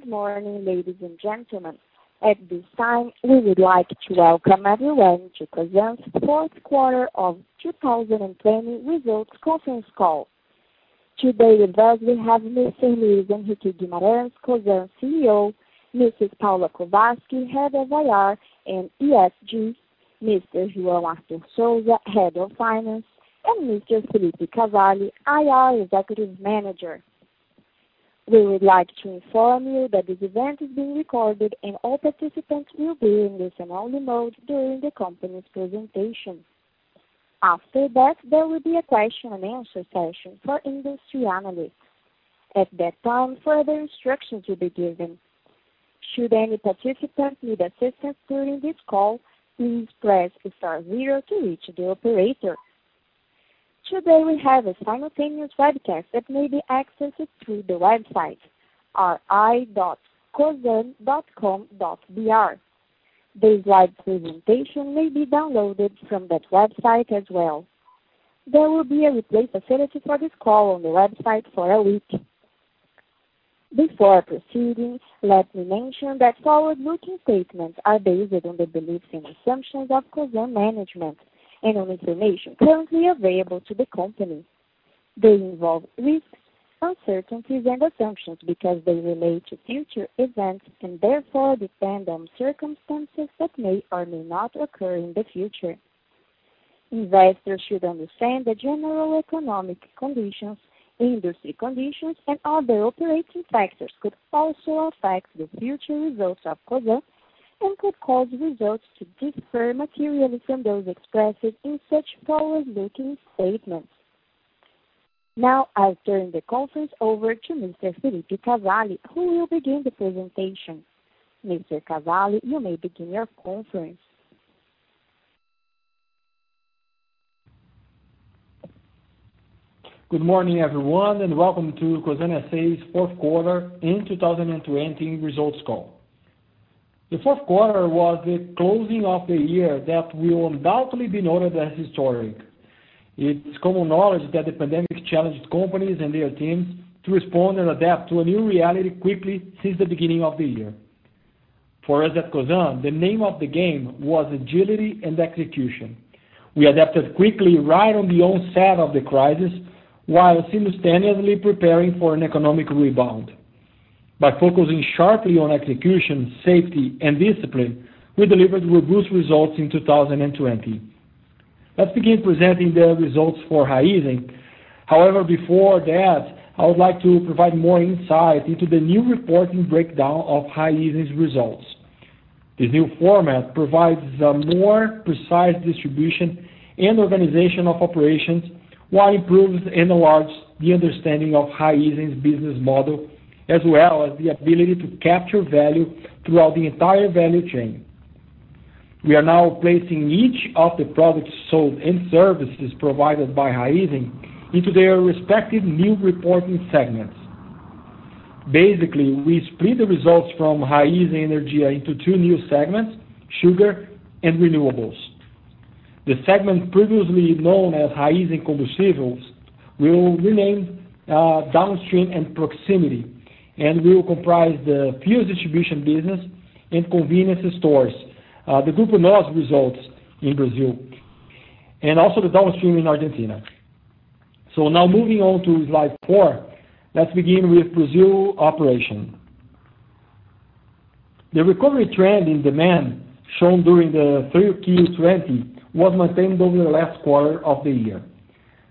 Good morning, ladies and gentlemen. At this time, we would like to welcome everyone to Cosan's fourth quarter of 2020 results conference call. Today with us, we have Mr. Luis Henrique Guimarães, Cosan's CEO, Mrs. Paula Kovarsky, Head of IR and ESG, Mr. João Arthur Sousa, Head of Finance, and Mr. Felipe Cavalli, IR Executive Manager. We would like to inform you that this event is being recorded and all participants will be in listen-only mode during the company's presentation. After that, there will be a question and answer session for industry analysts. At that time, further instructions will be given. Should any participant need assistance during this call, please press star zero to reach the operator. Today we have a simultaneous webcast that may be accessed through the website, ri.cosan.com.br. The live presentation may be downloaded from that website as well. There will be a replay facility for this call on the website for a week. Before proceeding, let me mention that forward-looking statements are based on the beliefs and assumptions of Cosan management and on information currently available to the company. They involve risks, uncertainties, and assumptions because they relate to future events and therefore depend on circumstances that may or may not occur in the future. Investors should understand the general economic conditions, industry conditions, and other operating factors could also affect the future results of Cosan and could cause results to differ materially from those expressed in such forward-looking statements. Now I turn the conference over to Mr. Felipe Cavalli, who will begin the presentation. Mr. Cavalli, you may begin your conference. Good morning, everyone, welcome to Cosan SA's fourth quarter in 2020 results call. The fourth quarter was the closing of the year that will undoubtedly be noted as historic. It's common knowledge that the pandemic challenged companies and their teams to respond and adapt to a new reality quickly since the beginning of the year. For us at Cosan, the name of the game was agility and execution. We adapted quickly right on the onset of the crisis while simultaneously preparing for an economic rebound. By focusing sharply on execution, safety and discipline, we delivered robust results in 2020. Let's begin presenting the results for Raízen. Before that, I would like to provide more insight into the new reporting breakdown of Raízen's results. This new format provides a more precise distribution and organization of operations, while improving and enlarge the understanding of Raízen's business model, as well as the ability to capture value throughout the entire value chain. We are now placing each of the products sold and services provided by Raízen into their respective new reporting segments. Basically, we split the results from Raízen Energia into two new segments: sugar and renewables. The segment previously known as Raízen Combustíveis will remain downstream and proximity and will comprise the fuel distribution business and convenience stores. The Grupo Nós results in Brazil, and also the downstream in Argentina. Now moving on to slide four. Let's begin with Brazil operation. The recovery trend in demand shown during the 3Q20 was maintained over the last quarter of the year.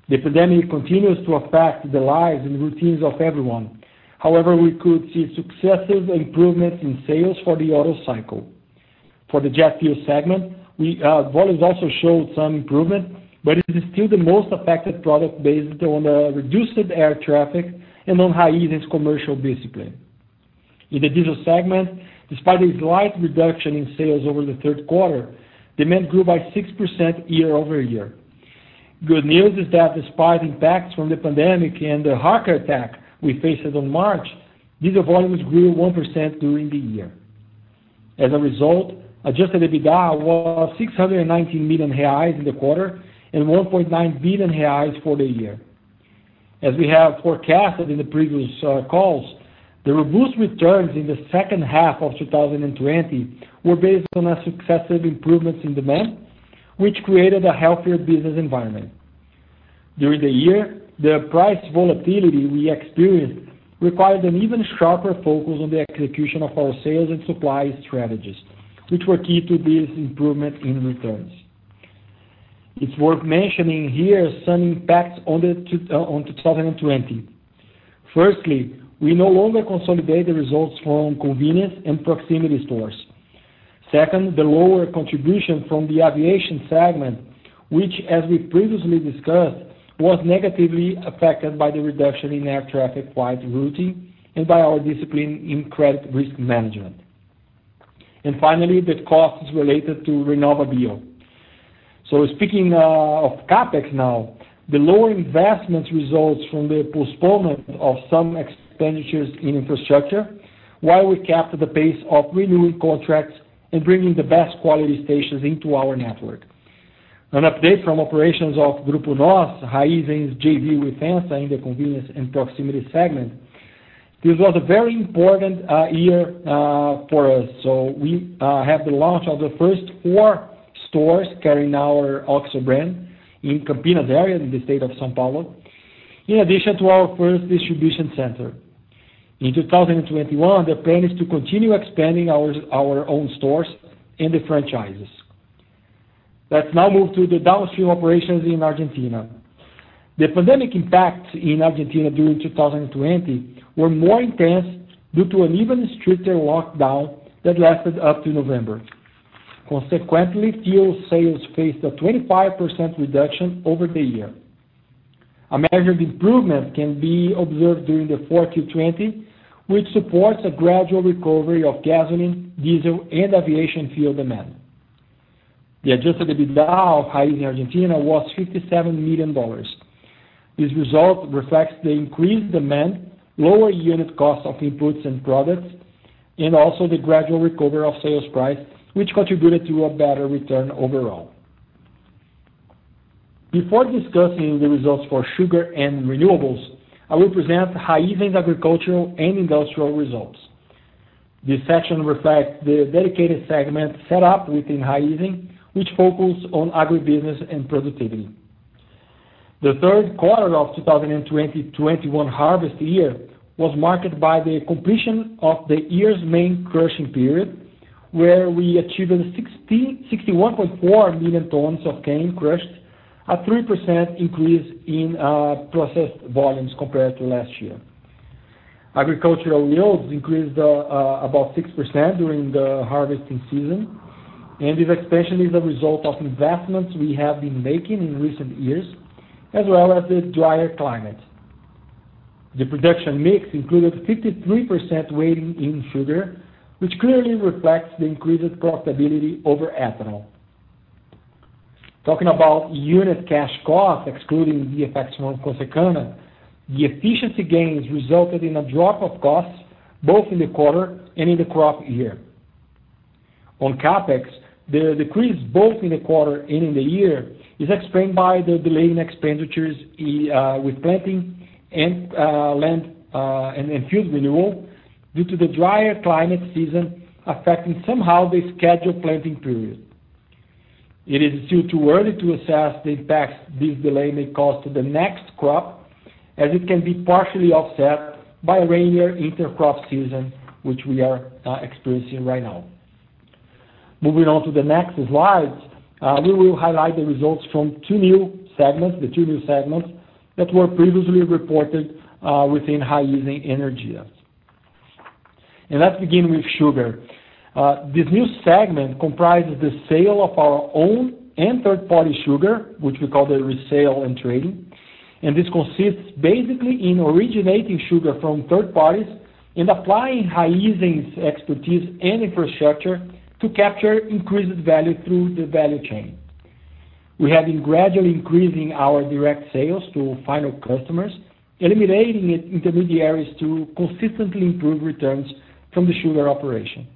The pandemic continues to affect the lives and routines of everyone. We could see successive improvements in sales for the auto cycle. For the jet fuel segment, volumes also showed some improvement, but it is still the most affected product based on the reduced air traffic and on Raízen's commercial discipline. In the diesel segment, despite a slight reduction in sales over the third quarter, demand grew by 6% year-over-year. Good news is that despite impacts from the pandemic and the hacker attack we faced in March, diesel volumes grew 1% during the year. As a result, adjusted EBITDA was 619 million reais in the quarter and 1.9 billion reais for the year. As we have forecasted in the previous calls, the robust returns in the second half of 2020 were based on successive improvements in demand, which created a healthier business environment. During the year, the price volatility we experienced required an even sharper focus on the execution of our sales and supply strategies, which were key to this improvement in returns. It's worth mentioning here some impacts on 2020. Firstly, we no longer consolidate the results from convenience and proximity stores. Second, the lower contribution from the aviation segment, which, as we previously discussed, was negatively affected by the reduction in air traffic quite routine and by our discipline in credit risk management. Finally, the costs related to RenovaBio. Speaking of CapEx now, the lower investment results from the postponement of some expenditures in infrastructure, while we kept the pace of renewing contracts and bringing the best quality stations into our network. An update from operations of Grupo Nós, Raízen's JV with FEMSA in the convenience and proximity segment. This was a very important year for us. We have the launch of the first four stores carrying our OXXO brand in Campinas area in the state of São Paulo, in addition to our first distribution center. In 2021, the plan is to continue expanding our own stores and the franchises. Let's now move to the downstream operations in Argentina. The pandemic impact in Argentina during 2020 were more intense due to an even stricter lockdown that lasted up to November. Consequently, fuel sales faced a 25% reduction over the year. A measured improvement can be observed during the fourth Q20, which supports a gradual recovery of gasoline, diesel, and aviation fuel demand. The adjusted EBITDA of Raízen Argentina was $57 million. This result reflects the increased demand, lower unit cost of inputs and products, and also the gradual recovery of sales price, which contributed to a better return overall. Before discussing the results for sugar and renewables, I will present Raízen's agricultural and industrial results. This section reflects the dedicated segment set up within Raízen, which focus on agribusiness and productivity. The third quarter of 2020/21 harvest year was marked by the completion of the year's main crushing period, where we achieved 61.4 million tons of cane crushed, a 3% increase in processed volumes compared to last year. Agricultural yields increased about 6% during the harvesting season. This expansion is a result of investments we have been making in recent years, as well as the drier climate. The production mix included 53% weighting in sugar, which clearly reflects the increased profitability over ethanol. Talking about unit cash cost, excluding the effects from Consecana, the efficiency gains resulted in a drop of costs both in the quarter and in the crop year. On CapEx, the decrease both in the quarter and in the year is explained by the delay in expenditures with planting and field renewal due to the drier climate season affecting somehow the scheduled planting period. It is still too early to assess the impact this delay may cause to the next crop, as it can be partially offset by rainier inter-crop season, which we are experiencing right now. Moving on to the next slide, we will highlight the results from the two new segments that were previously reported within Raízen Energia. Let's begin with sugar. This new segment comprises the sale of our own and third-party sugar, which we call the resale and trading, and this consists basically in originating sugar from third parties and applying Raízen's expertise and infrastructure to capture increased value through the value chain. We have been gradually increasing our direct sales to final customers, eliminating intermediaries to consistently improve returns from the sugar operation.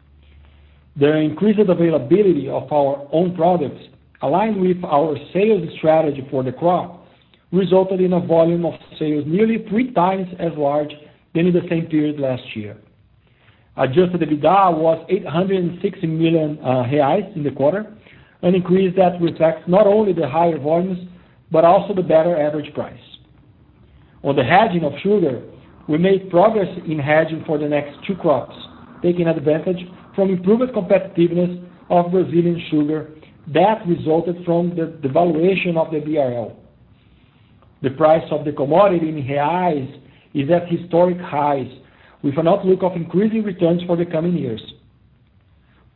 The increased availability of our own products, aligned with our sales strategy for the crop, resulted in a volume of sales nearly three times as large as in the same period last year. Adjusted EBITDA was 860 million reais in the quarter, an increase that reflects not only the higher volumes, but also the better average price. On the hedging of sugar, we made progress in hedging for the next two crops, taking advantage of improved competitiveness of Brazilian sugar that resulted from the devaluation of the BRL. The price of the commodity in BRL is at historic highs, with an outlook of increasing returns for the coming years.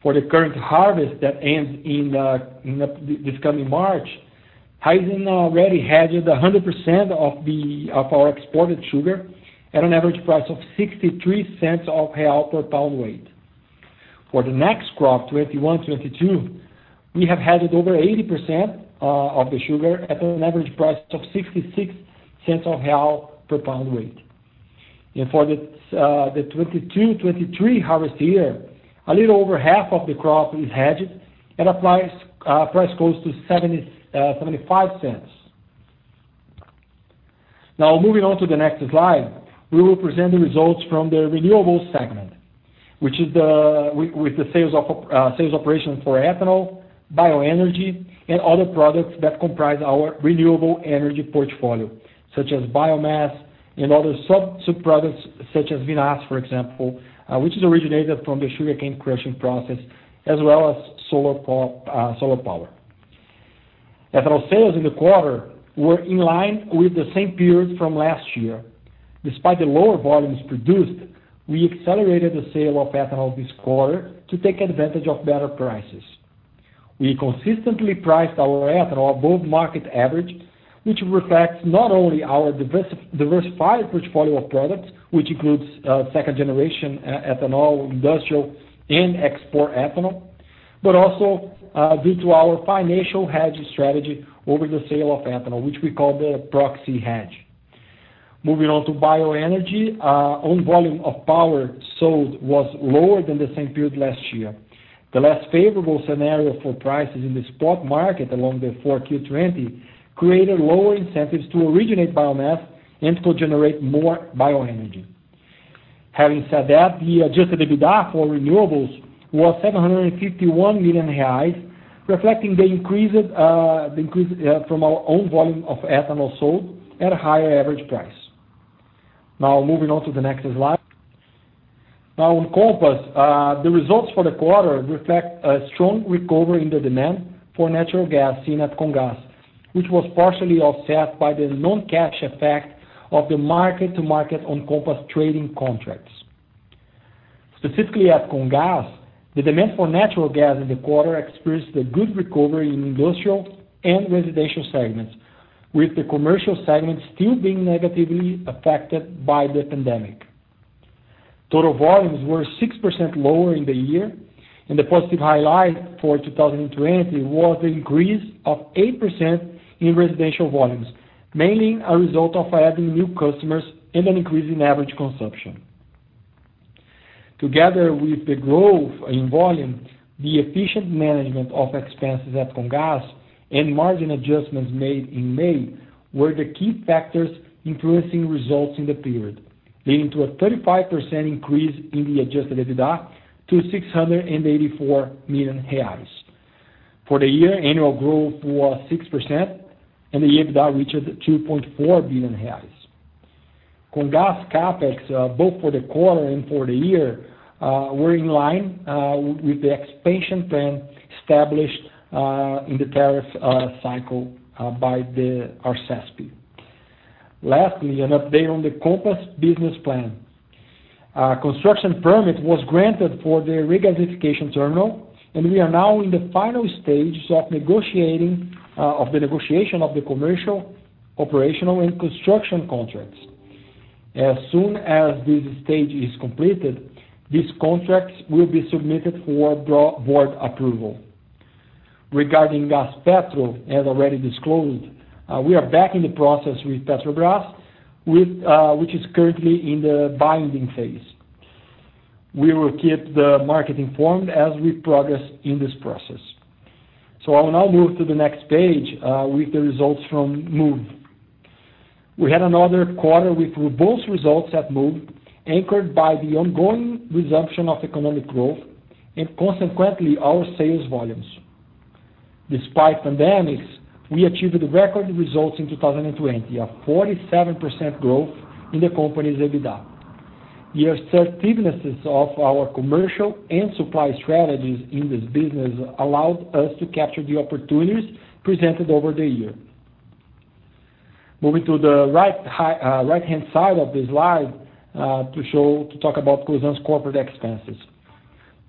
For the current harvest that ends in this coming March, Raízen already hedged 100% of our exported sugar at an average price of 0.63 per pound weight. For the next crop, 2021-2022, we have hedged over 80% of the sugar at an average price of 0.66 per pound weight. For the 2022-2023 harvest year, a little over half of the crop is hedged at a price close to 0.75. Moving on to the next slide, we will present the results from the renewables segment, with the sales operations for ethanol, bioenergy, and other products that comprise our renewable energy portfolio, such as biomass and other subproducts, such as vinasse, for example, which is originated from the sugarcane crushing process, as well as solar power. Ethanol sales in the quarter were in line with the same period from last year. Despite the lower volumes produced, we accelerated the sale of ethanol this quarter to take advantage of better prices. We consistently priced our ethanol above market average, which reflects not only our diversified portfolio of products, which includes second-generation ethanol, industrial and export ethanol, but also due to our financial hedge strategy over the sale of ethanol, which we call the proxy hedge. Moving on to bioenergy. Our own volume of power sold was lower than the same period last year. The less favorable scenario for prices in the spot market along the Q4 2020, created lower incentives to originate biomass and to generate more bioenergy. Having said that, the adjusted EBITDA for renewables was 751 million reais, reflecting the increase from our own volume of ethanol sold at a higher average price. Now moving on to the next slide. Now on Comgás, the results for the quarter reflect a strong recovery in the demand for natural gas seen at Comgás, which was partially offset by the non-cash effect of the mark-to-market on Comgás' trading contracts. Specifically at Comgás, the demand for natural gas in the quarter experienced a good recovery in industrial and residential segments, with the commercial segment still being negatively affected by the pandemic. Total volumes were 6% lower in the year. The positive highlight for 2020 was the increase of 8% in residential volumes, mainly a result of adding new customers and an increase in average consumption. Together with the growth in volume, the efficient management of expenses at Comgás and margin adjustments made in May, were the key factors influencing results in the period, leading to a 35% increase in the adjusted EBITDA to 684 million reais. For the year, annual growth was 6% and the EBITDA reaches 2.4 billion reais. Comgás CapEx, both for the quarter and for the year, were in line with the expansion plan established in the tariff cycle by the ARSESP. An update on the Comgás business plan. A construction permit was granted for the regasification terminal, we are now in the final stages of the negotiation of the commercial, operational, and construction contracts. As soon as this stage is completed, these contracts will be submitted for board approval. Regarding Gaspetro, as already disclosed, we are back in the process with Petrobras, which is currently in the binding phase. We will keep the market informed as we progress in this process. I will now move to the next page, with the results from Moove. We had another quarter with robust results at Moove, anchored by the ongoing resumption of economic growth and consequently our sales volumes. Despite pandemics, we achieved record results in 2020, a 47% growth in the company's EBITDA. The assertiveness of our commercial and supply strategies in this business allowed us to capture the opportunities presented over the year. Moving to the right-hand side of the slide to talk about Cosan's corporate expenses.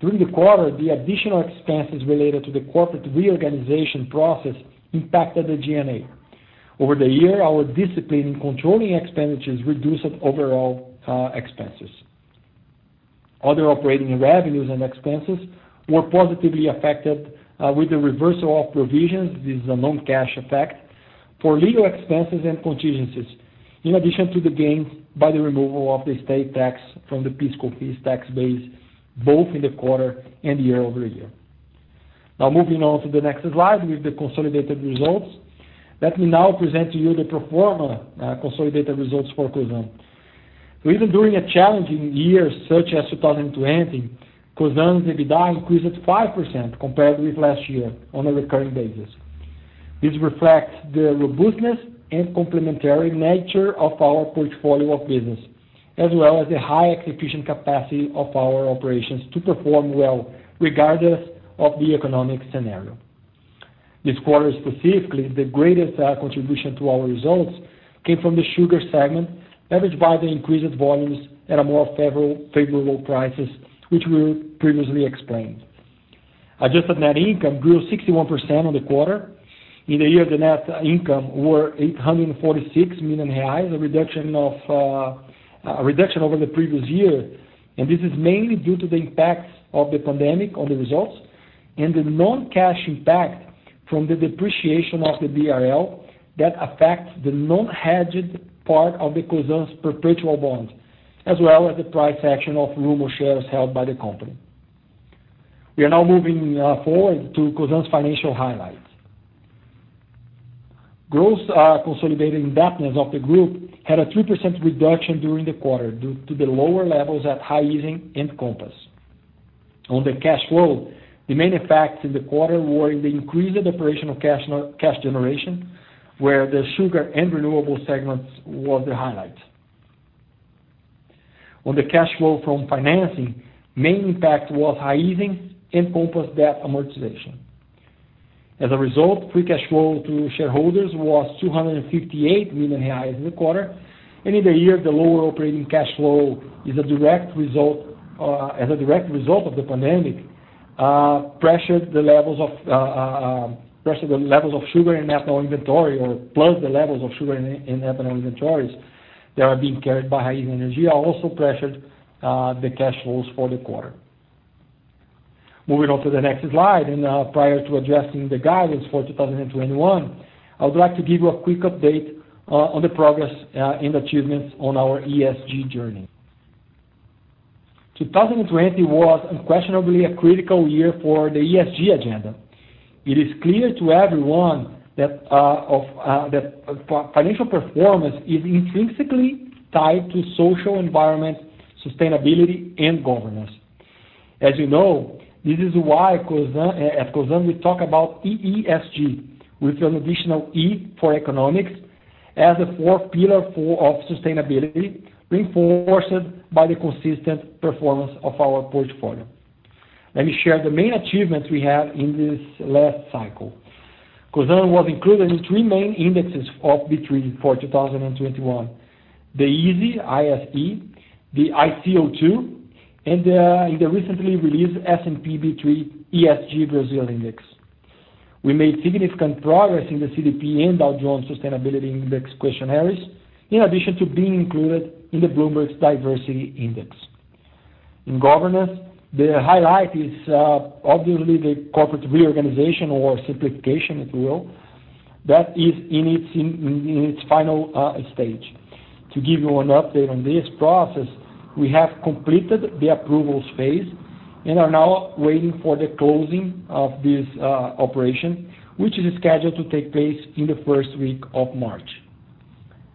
During the quarter, the additional expenses related to the corporate reorganization process impacted the G&A. Over the year, our discipline in controlling expenditures reduced overall expenses. Other operating revenues and expenses were positively affected with the reversal of provisions. This is a non-cash effect for legal expenses and contingencies. In addition to the gains by the removal of the state tax from the PIS/COFINS tax base, both in the quarter and year-over-year. Moving on to the next slide with the consolidated results. Let me now present to you the pro forma consolidated results for Cosan. Even during a challenging year such as 2020, Cosan's EBITDA increased 5% compared with last year on a recurring basis. This reflects the robustness and complementary nature of our portfolio of business, as well as the high execution capacity of our operations to perform well regardless of the economic scenario. This quarter specifically, the greatest contribution to our results came from the sugar segment, averaged by the increased volumes at a more favorable prices, which we previously explained. Adjusted net income grew 61% on the quarter. In the year, the net income were 846 million reais, a reduction over the previous year. This is mainly due to the impacts of the pandemic on the results and the non-cash impact from the depreciation of the BRL that affects the non-hedged part of the Cosan's perpetual bond, as well as the price action of Raízen shares held by the company. We are now moving forward to Cosan's financial highlights. Gross consolidated indebtedness of the group had a 3% reduction during the quarter due to the lower levels at Raízen and Comgás. On the cash flow, the main effects in the quarter were in the increased operational cash generation, where the sugar and renewable segments was the highlight. On the cash flow from financing, main impact was Raízen and Comgás debt amortization. As a result, free cash flow to shareholders was 258 million reais in the quarter. In the year, the lower operating cash flow as a direct result of the pandemic pressured the levels of sugar and ethanol inventory, or plugged the levels of sugar and ethanol inventories that are being carried by Raízen Energy, also pressured the cash flows for the quarter. Moving on to the next slide, prior to addressing the guidance for 2021, I would like to give you a quick update on the progress and achievements on our ESG journey. 2020 was unquestionably a critical year for the ESG agenda. It is clear to everyone that financial performance is intrinsically tied to social environment, sustainability, and governance. As you know, this is why at Cosan we talk about EESG, with an additional E for economics, as a four-pillar of sustainability, reinforced by the consistent performance of our portfolio. Let me share the main achievements we have in this last cycle. Cosan was included in three main indexes of B3 for 2021, the ISE, the ICO2, and the recently released S&P B3 ESG Brazil index. We made significant progress in the CDP and Dow Jones Sustainability Index questionnaires, in addition to being included in the Bloomberg Gender-Equality Index. In governance, the highlight is obviously the corporate reorganization or simplification, if you will. That is in its final stage. To give you an update on this process, we have completed the approvals phase and are now waiting for the closing of this operation, which is scheduled to take place in the first week of March.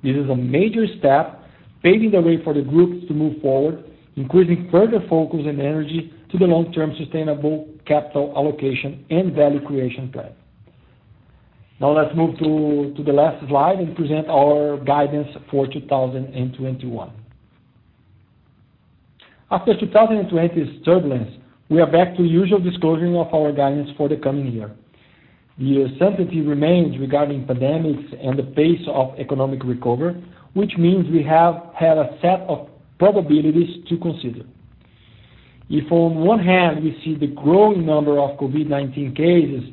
This is a major step, paving the way for the groups to move forward, increasing further focus and energy to the long-term sustainable capital allocation and value creation plan. Let's move to the last slide and present our guidance for 2021. After 2020's turbulence, we are back to usual disclosure of our guidance for the coming year. The uncertainty remains regarding pandemics and the pace of economic recovery, which means we have had a set of probabilities to consider. If on one hand, we see the growing number of COVID-19 cases,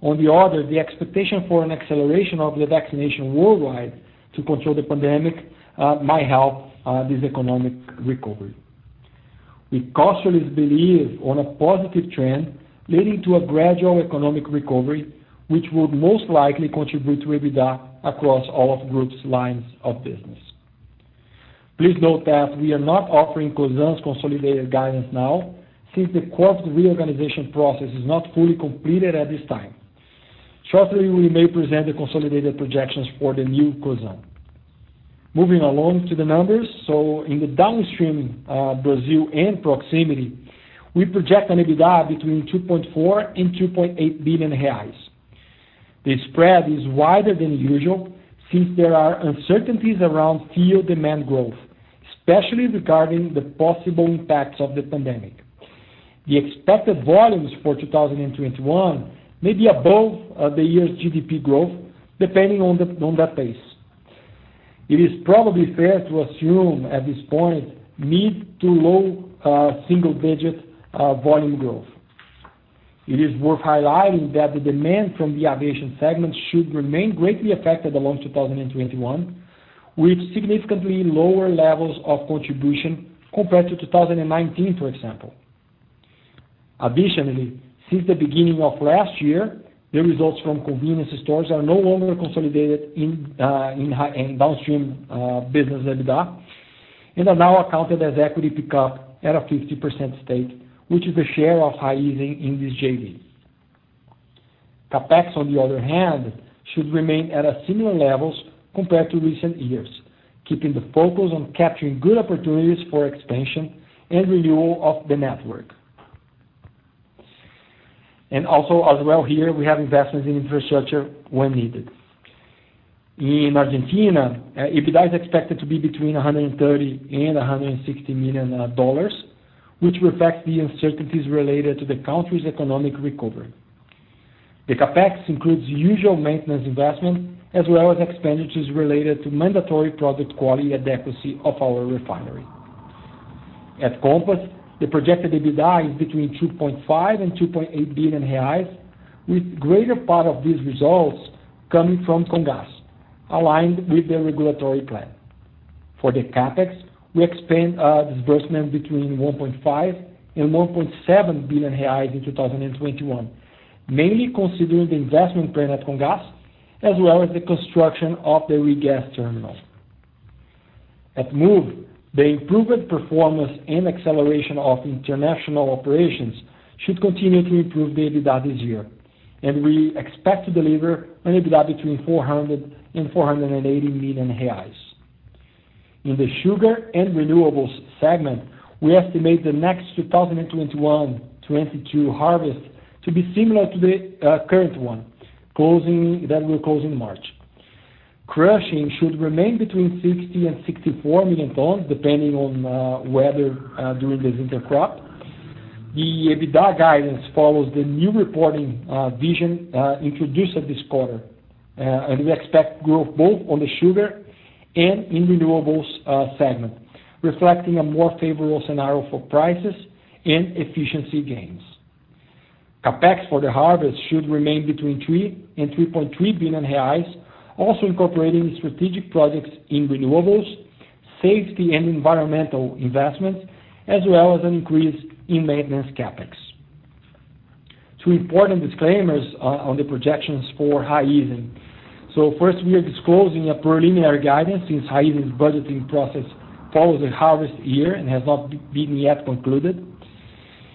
on the other, the expectation for an acceleration of the vaccination worldwide to control the pandemic might help this economic recovery. We cautiously believe on a positive trend leading to a gradual economic recovery, which would most likely contribute to EBITDA across all of Group's lines of business. Please note that we are not offering Cosan's consolidated guidance now, since the corporate reorganization process is not fully completed at this time. Shortly, we may present the consolidated projections for the new Cosan. Moving along to the numbers. In the downstream Brazil and proximity, we project an EBITDA between 2.4 billion and 2.8 billion reais. The spread is wider than usual since there are uncertainties around fuel demand growth, especially regarding the possible impacts of the pandemic. The expected volumes for 2021 may be above the year's GDP growth, depending on the pace. It is probably fair to assume at this point, mid to low single-digit volume growth. It is worth highlighting that the demand from the aviation segment should remain greatly affected along 2021, with significantly lower levels of contribution compared to 2019, for example. Additionally, since the beginning of last year, the results from convenience stores are no longer consolidated in downstream business EBITDA and are now accounted as equity pickup at a 50% stake, which is the share of Raízen in this JV. CapEx, on the other hand, should remain at similar levels compared to recent years, keeping the focus on capturing good opportunities for expansion and renewal of the network. Also as well here, we have investments in infrastructure when needed. In Argentina, EBITDA is expected to be between $130 million-$160 million, which reflects the uncertainties related to the country's economic recovery. The CapEx includes usual maintenance investment as well as expenditures related to mandatory product quality adequacy of our refinery. At Compass, the projected EBITDA is between 2.5 billion-2.8 billion reais, with greater part of these results coming from Comgás, aligned with the regulatory plan. For the CapEx, we expect disbursement between 1.5 billion-1.7 billion reais in 2021, mainly considering the investment plan at Comgás, as well as the construction of the regas terminal. At Moove, the improved performance and acceleration of international operations should continue to improve the EBITDA this year. We expect to deliver an EBITDA between 400 million reais and 480 million reais. In the Sugar and Renewables segment, we estimate the next 2021, 2022 harvest to be similar to the current one that will close in March. Crushing should remain between 60 million tons and 64 million tons, depending on weather during the winter crop. The EBITDA guidance follows the new reporting vision introduced at this quarter. We expect growth both on the Sugar and in Renewables segment, reflecting a more favorable scenario for prices and efficiency gains. CapEx for the harvest should remain between 3 billion and 3.3 billion reais, also incorporating strategic projects in Renewables. Safety and environmental investments, as well as an increase in maintenance CapEx. Two important disclaimers on the projections for Raízen. First, we are disclosing a preliminary guidance since Raízen's budgeting process follows the harvest year and has not been yet concluded,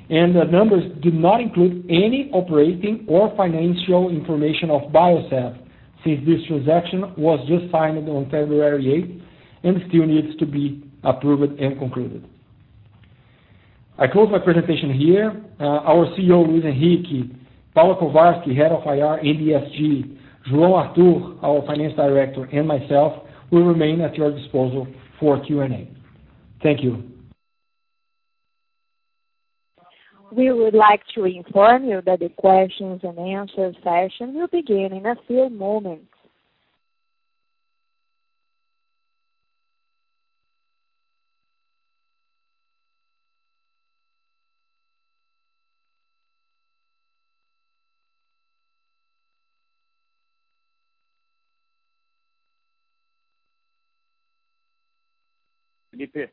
and the numbers do not include any operating or financial information of Biosev, since this transaction was just signed on February 8th and still needs to be approved and concluded. I close my presentation here. Our CEO, Luis Henrique, Paula Kovarsky, Head of IR and ESG, João Arthur, our Finance Director, and myself will remain at your disposal for Q&A. Thank you. We would like to inform you that the questions and answers session will begin in a few moments. Felipe.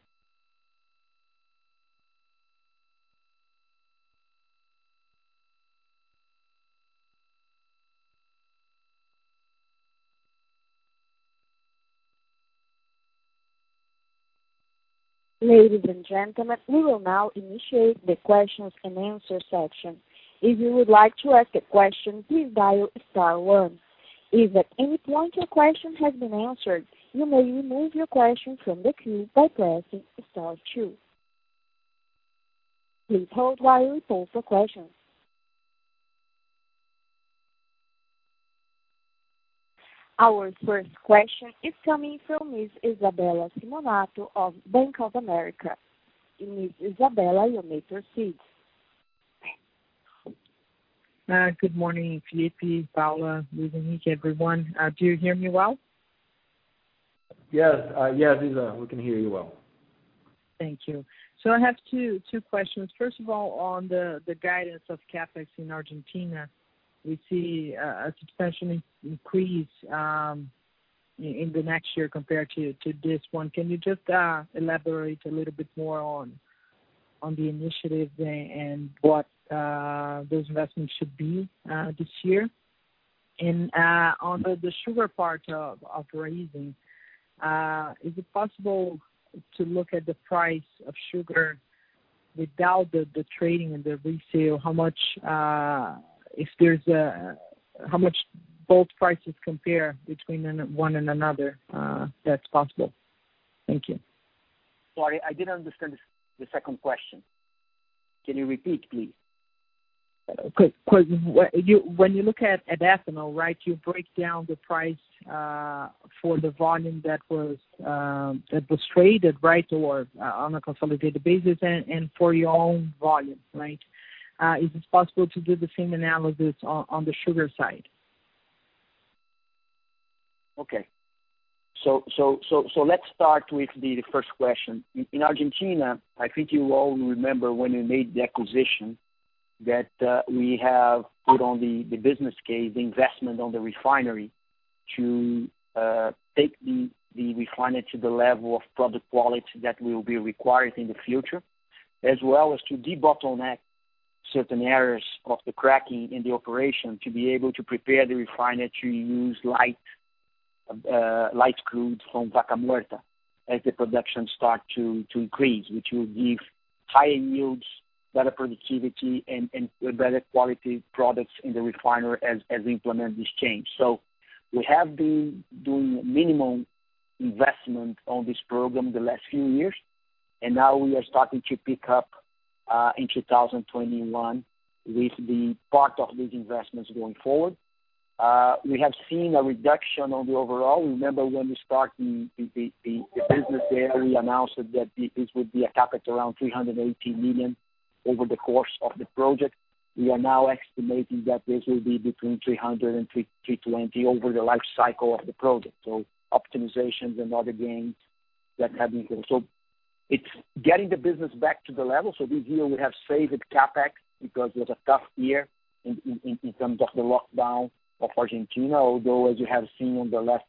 Ladies and gentlemen, we will now initiate the questions and answers section. If you would like to ask a question, please dial star one. If at any point your question has been answered, you may remove your question from the queue by pressing star two. Please hold while we look for questions. Our first question is coming from Ms. Isabela Simonato of Bank of America. Ms. Isabela, you may proceed. Good morning, Felipe, Paula, Luis Henrique, everyone. Do you hear me well? Yes, Isa. We can hear you well. Thank you. I have two questions. First of all, on the guidance of CapEx in Argentina, we see a substantial increase in the next year compared to this one. Can you just elaborate a little bit more on the initiatives and what those investments should be this year? On the sugar part of Raízen, is it possible to look at the price of sugar without the trading and the resale? How much both prices compare between one and another, if that's possible. Thank you. Sorry, I didn't understand the second question. Can you repeat, please? When you look at ethanol, you break down the price for the volume that was traded or on a consolidated basis and for your own volume. Is it possible to do the same analysis on the sugar side? Okay. Let's start with the first question. In Argentina, I think you all remember when we made the acquisition that we have put on the business case the investment on the refinery to take the refinery to the level of product quality that will be required in the future, as well as to debottleneck certain areas of the cracking in the operation to be able to prepare the refinery to use light crude from Vaca Muerta as the production start to increase, which will give higher yields, better productivity and better quality products in the refinery as we implement this change. We have been doing minimal investment on this program the last few years, and now we are starting to pick up in 2021 with the part of these investments going forward. We have seen a reduction on the overall. Remember when we start the business there, we announced that this would be a CapEx around 380 million over the course of the project. We are now estimating that this will be between 300 million and 320 million over the life cycle of the project. Optimizations and other gains that have been here. It's getting the business back to the level. This year we have saved CapEx because it was a tough year in terms of the lockdown of Argentina, although as you have seen on the last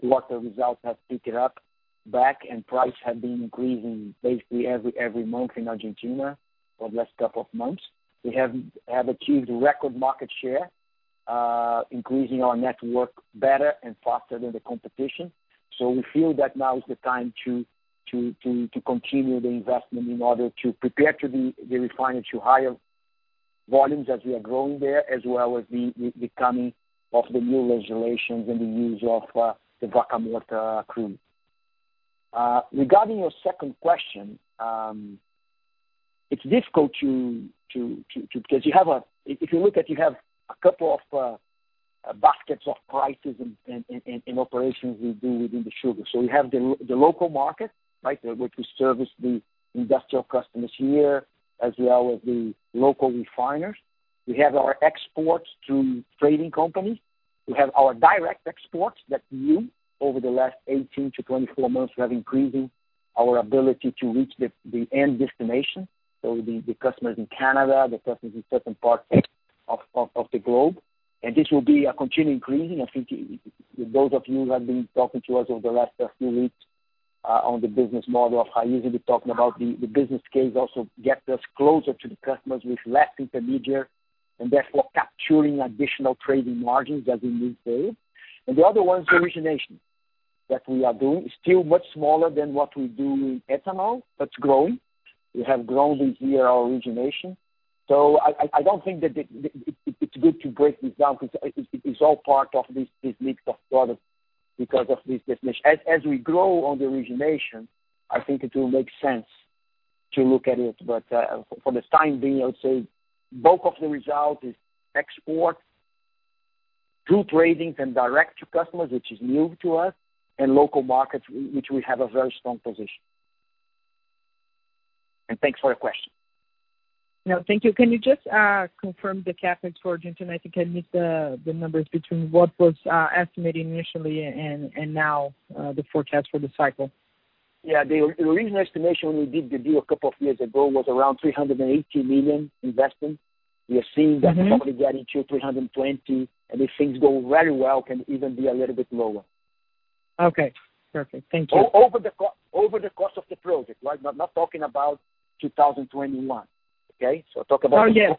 quarter results have picked it up back, and price have been increasing basically every month in Argentina for the last couple of months. We have achieved record market share, increasing our network better and faster than the competition. We feel that now is the time to continue the investment in order to prepare the refinery to higher volumes as we are growing there, as well as the coming of the new regulations and the use of the Vaca Muerta crude. Regarding your second question, it's difficult because if you look at, you have a couple of baskets of prices and operations we do within the sugar. We have the local market, which we service the industrial customers here, as well as the local refiners. We have our exports through trading companies. We have our direct exports that we, over the last 18-24 months, have increasing our ability to reach the end destination. The customers in Canada, the customers in certain parts of the globe. This will be a continuing increase. I think those of you who have been talking to us over the last few weeks on the business model of Raízen, we're talking about the business case also gets us closer to the customers with less intermediaries, and therefore capturing additional trading margins as we move forward. The other one is the origination that we are doing. It's still much smaller than what we do in ethanol, it's growing. We have grown this year, our origination. I don't think that it's good to break this down because it's all part of this mix of products because of this definition. As we grow on the origination, I think it will make sense to look at it. For the time being, I would say the bulk of the result is export through trading and direct to customers, which is new to us, and local markets, which we have a very strong position. Thanks for your question. No, thank you. Can you just confirm the CapEx for Argentina? I think I missed the numbers between what was estimated initially and now the forecast for the cycle. Yeah. The original estimation when we did the deal a couple of years ago was around 380 million investment. We are seeing that probably getting to 320 million, and if things go very well, can even be a little bit lower. Okay, perfect. Thank you. Over the course of the project. I'm not talking about 2021, okay? I talk about- Oh, yes.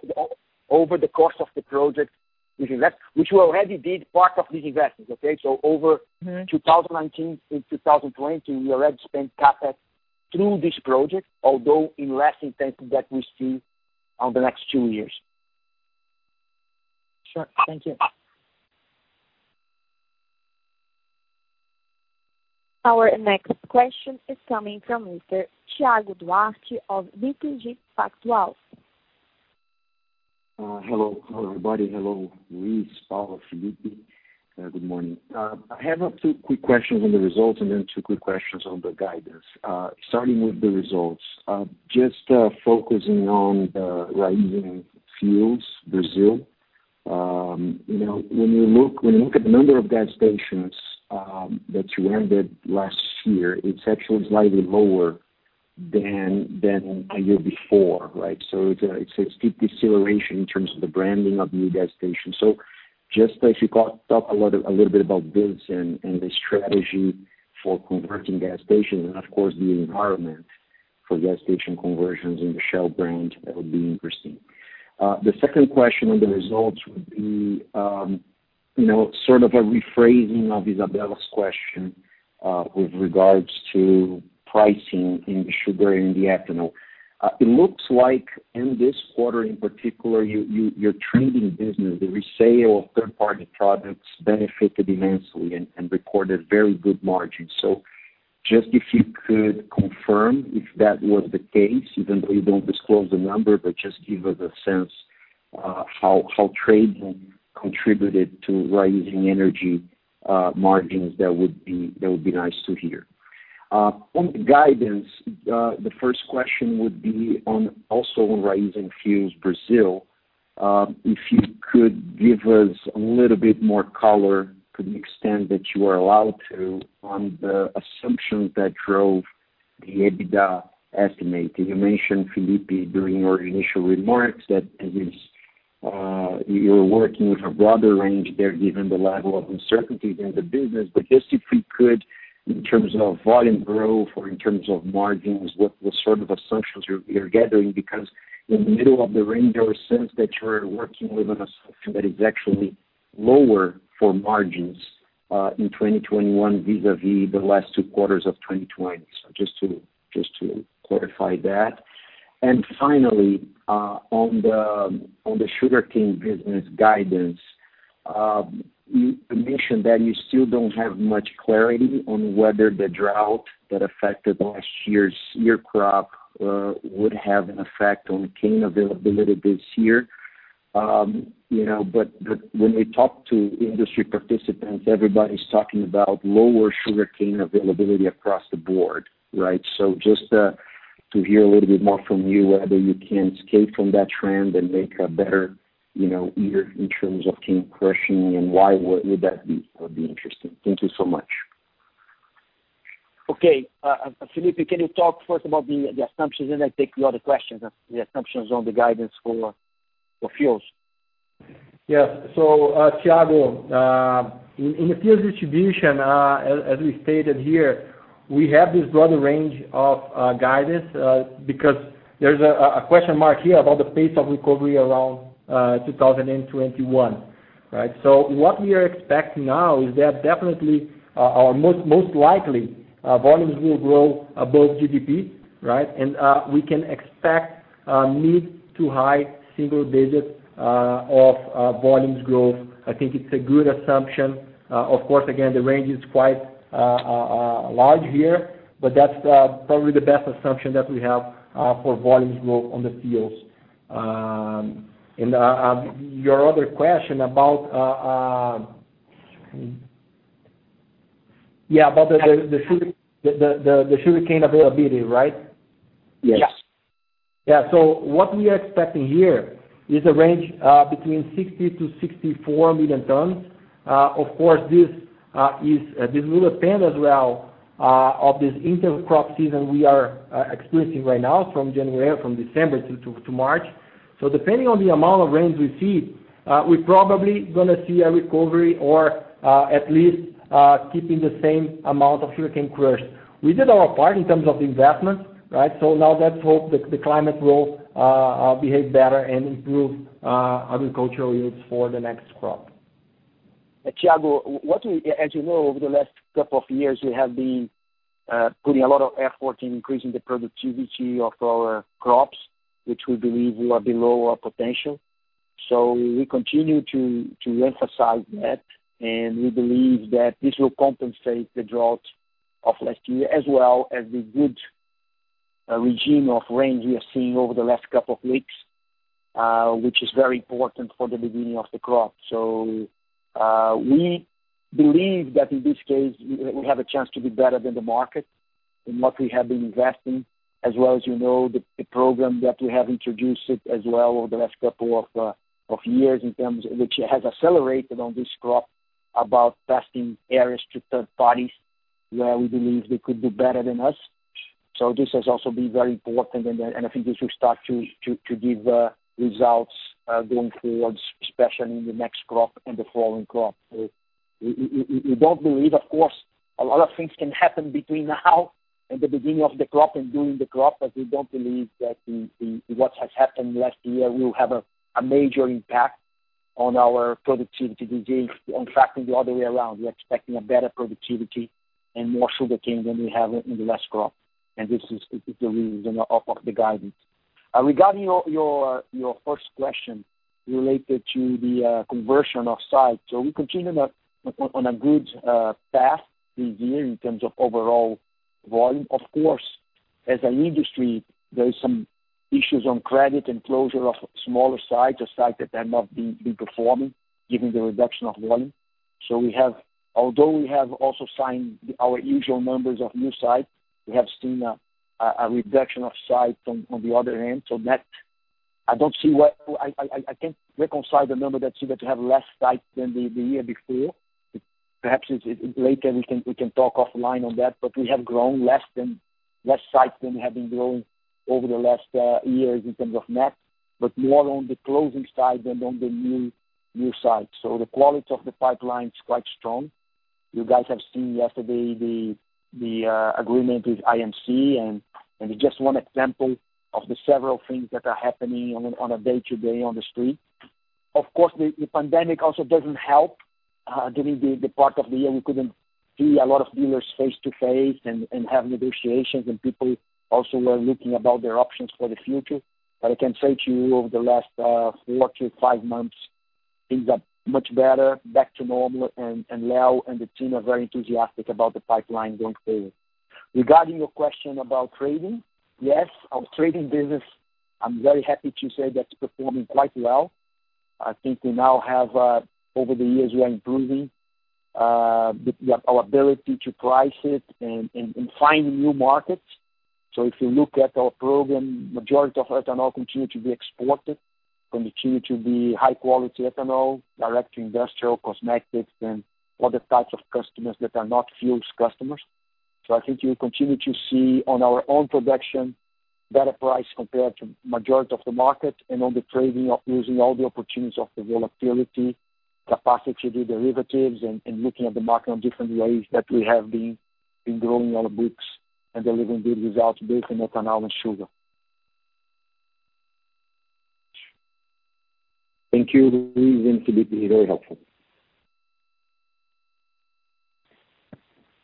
Over the course of the project, which we already did part of these investments, okay? Over 2019 and 2020, we already spent CapEx through this project, although in less intensity that we see on the next two years. Sure. Thank you. Our next question is coming from Mr. Thiago Duarte of BTG Pactual. Hello, everybody. Hello, Luis, Paula, Felipe. Good morning. I have two quick questions on the results and then two quick questions on the guidance. Starting with the results, just focusing on the Raízen fuels Brazil. When you look at the number of gas stations that you ended last year, it is actually slightly lower than a year before, right? So it is a steep deceleration in terms of the branding of new gas stations. So just if you could talk a little bit about this and the strategy for converting gas stations and of course the environment for gas station conversions in the Shell brand, that would be interesting. The second question on the results would be sort of a rephrasing of Isabela's question with regards to pricing in sugar and the ethanol. It looks like in this quarter in particular, your trading business, the resale of third-party products benefited immensely and recorded very good margins. Just if you could confirm if that was the case, even though you don't disclose the number, but just give us a sense how trading contributed to Raízen Energia margins, that would be nice to hear. On the guidance, the first question would be on also on Raízen fuels Brazil. If you could give us a little bit more color to the extent that you are allowed to on the assumptions that drove the EBITDA estimate. You mentioned, Felipe, during your initial remarks that you're working with a broader range there given the level of uncertainties in the business. Just if we could, in terms of volume growth or in terms of margins, what sort of assumptions you're gathering, because in the middle of the range, there are signs that you're working with an assumption that is actually lower for margins, in 2021, vis-à-vis the last two quarters of 2020. Just to clarify that. Finally, on the sugarcane business guidance, you mentioned that you still don't have much clarity on whether the drought that affected last year's crop would have an effect on cane availability this year. When we talk to industry participants, everybody's talking about lower sugarcane availability across the board, right? Just to hear a little bit more from you, whether you can escape from that trend and make a better year in terms of cane crushing and why would that be, would be interesting. Thank you so much. Okay. Felipe, can you talk first about the assumptions, and I take the other questions, the assumptions on the guidance for fuels. Yes. Thiago, in the fuels distribution, as we stated here, we have this broader range of guidance, because there's a question mark here about the pace of recovery around 2021, right? What we are expecting now is that definitely, or most likely, volumes will grow above GDP, right? We can expect mid to high single digits of volumes growth. I think it's a good assumption. Of course, again, the range is quite large here, but that's probably the best assumption that we have for volumes growth on the fuels. Your other question about the sugarcane availability, right? Yes. What we are expecting here is a range between 60 million tons-64 million tons. Of course, this will depend as well on this inter-crop season we are experiencing right now from December to March. Depending on the amount of rains we see, we're probably going to see a recovery or at least keeping the same amount of sugarcane crushed. We did our part in terms of the investment, right? Now let's hope the climate will behave better and improve agricultural yields for the next crop. Thiago, as you know, over the last couple of years, we have been putting a lot of effort in increasing the productivity of our crops, which we believe were below our potential. We continue to emphasize that, and we believe that this will compensate the drought of last year as well as the good regime of rain we are seeing over the last couple of weeks, which is very important for the beginning of the crop. We believe that in this case, we have a chance to be better than the market in what we have been investing, as well as you know, the program that we have introduced as well over the last couple of years, which has accelerated on this crop, about testing areas to third parties where we believe they could do better than us. This has also been very important, and I think this will start to give results going forwards, especially in the next crop and the following crop. Of course, a lot of things can happen between now and the beginning of the crop and during the crop, but we don't believe that what has happened last year will have a major impact on our productivity. In fact, in the other way around, we are expecting a better productivity and more sugarcane than we have in the last crop, and this is the reason of the guidance. Regarding your first question related to the conversion of sites. We continue on a good path this year in terms of overall volume. Of course, as an industry, there is some issues on credit and closure of smaller sites or sites that have not been performing, given the reduction of volume. Although we have also signed our usual numbers of new sites, we have seen a reduction of sites on the other hand. I can't reconcile the number that you got to have less sites than the year before. Perhaps later we can talk offline on that, but we have grown less sites than we have been growing over the last years in terms of net, but more on the closing side than on the new sites. The quality of the pipeline is quite strong. You guys have seen yesterday the agreement with IMC, and it's just one example of the several things that are happening on a day-to-day on the street. Of course, the pandemic also doesn't help. During the part of the year, we couldn't see a lot of dealers face-to-face and have negotiations, and people also were looking about their options for the future. I can say to you, over the last four to five months, things are much better, back to normal, and Leo and the team are very enthusiastic about the pipeline going forward. Regarding your question about trading. Yes, our trading business, I'm very happy to say, that's performing quite well. I think over the years, we are improving our ability to price it and find new markets. If you look at our program, majority of ethanol continue to be exported, continue to be high quality ethanol, direct to industrial, cosmetics, and other types of customers that are not fuels customers. I think you will continue to see on our own production, better price compared to majority of the market and on the trading, using all the opportunities of the volatility, capacity to do derivatives, and looking at the market on different ways that we have been growing our books and delivering good results, both in ethanol and sugar. Thank you, Luiz and Felipe. Very helpful.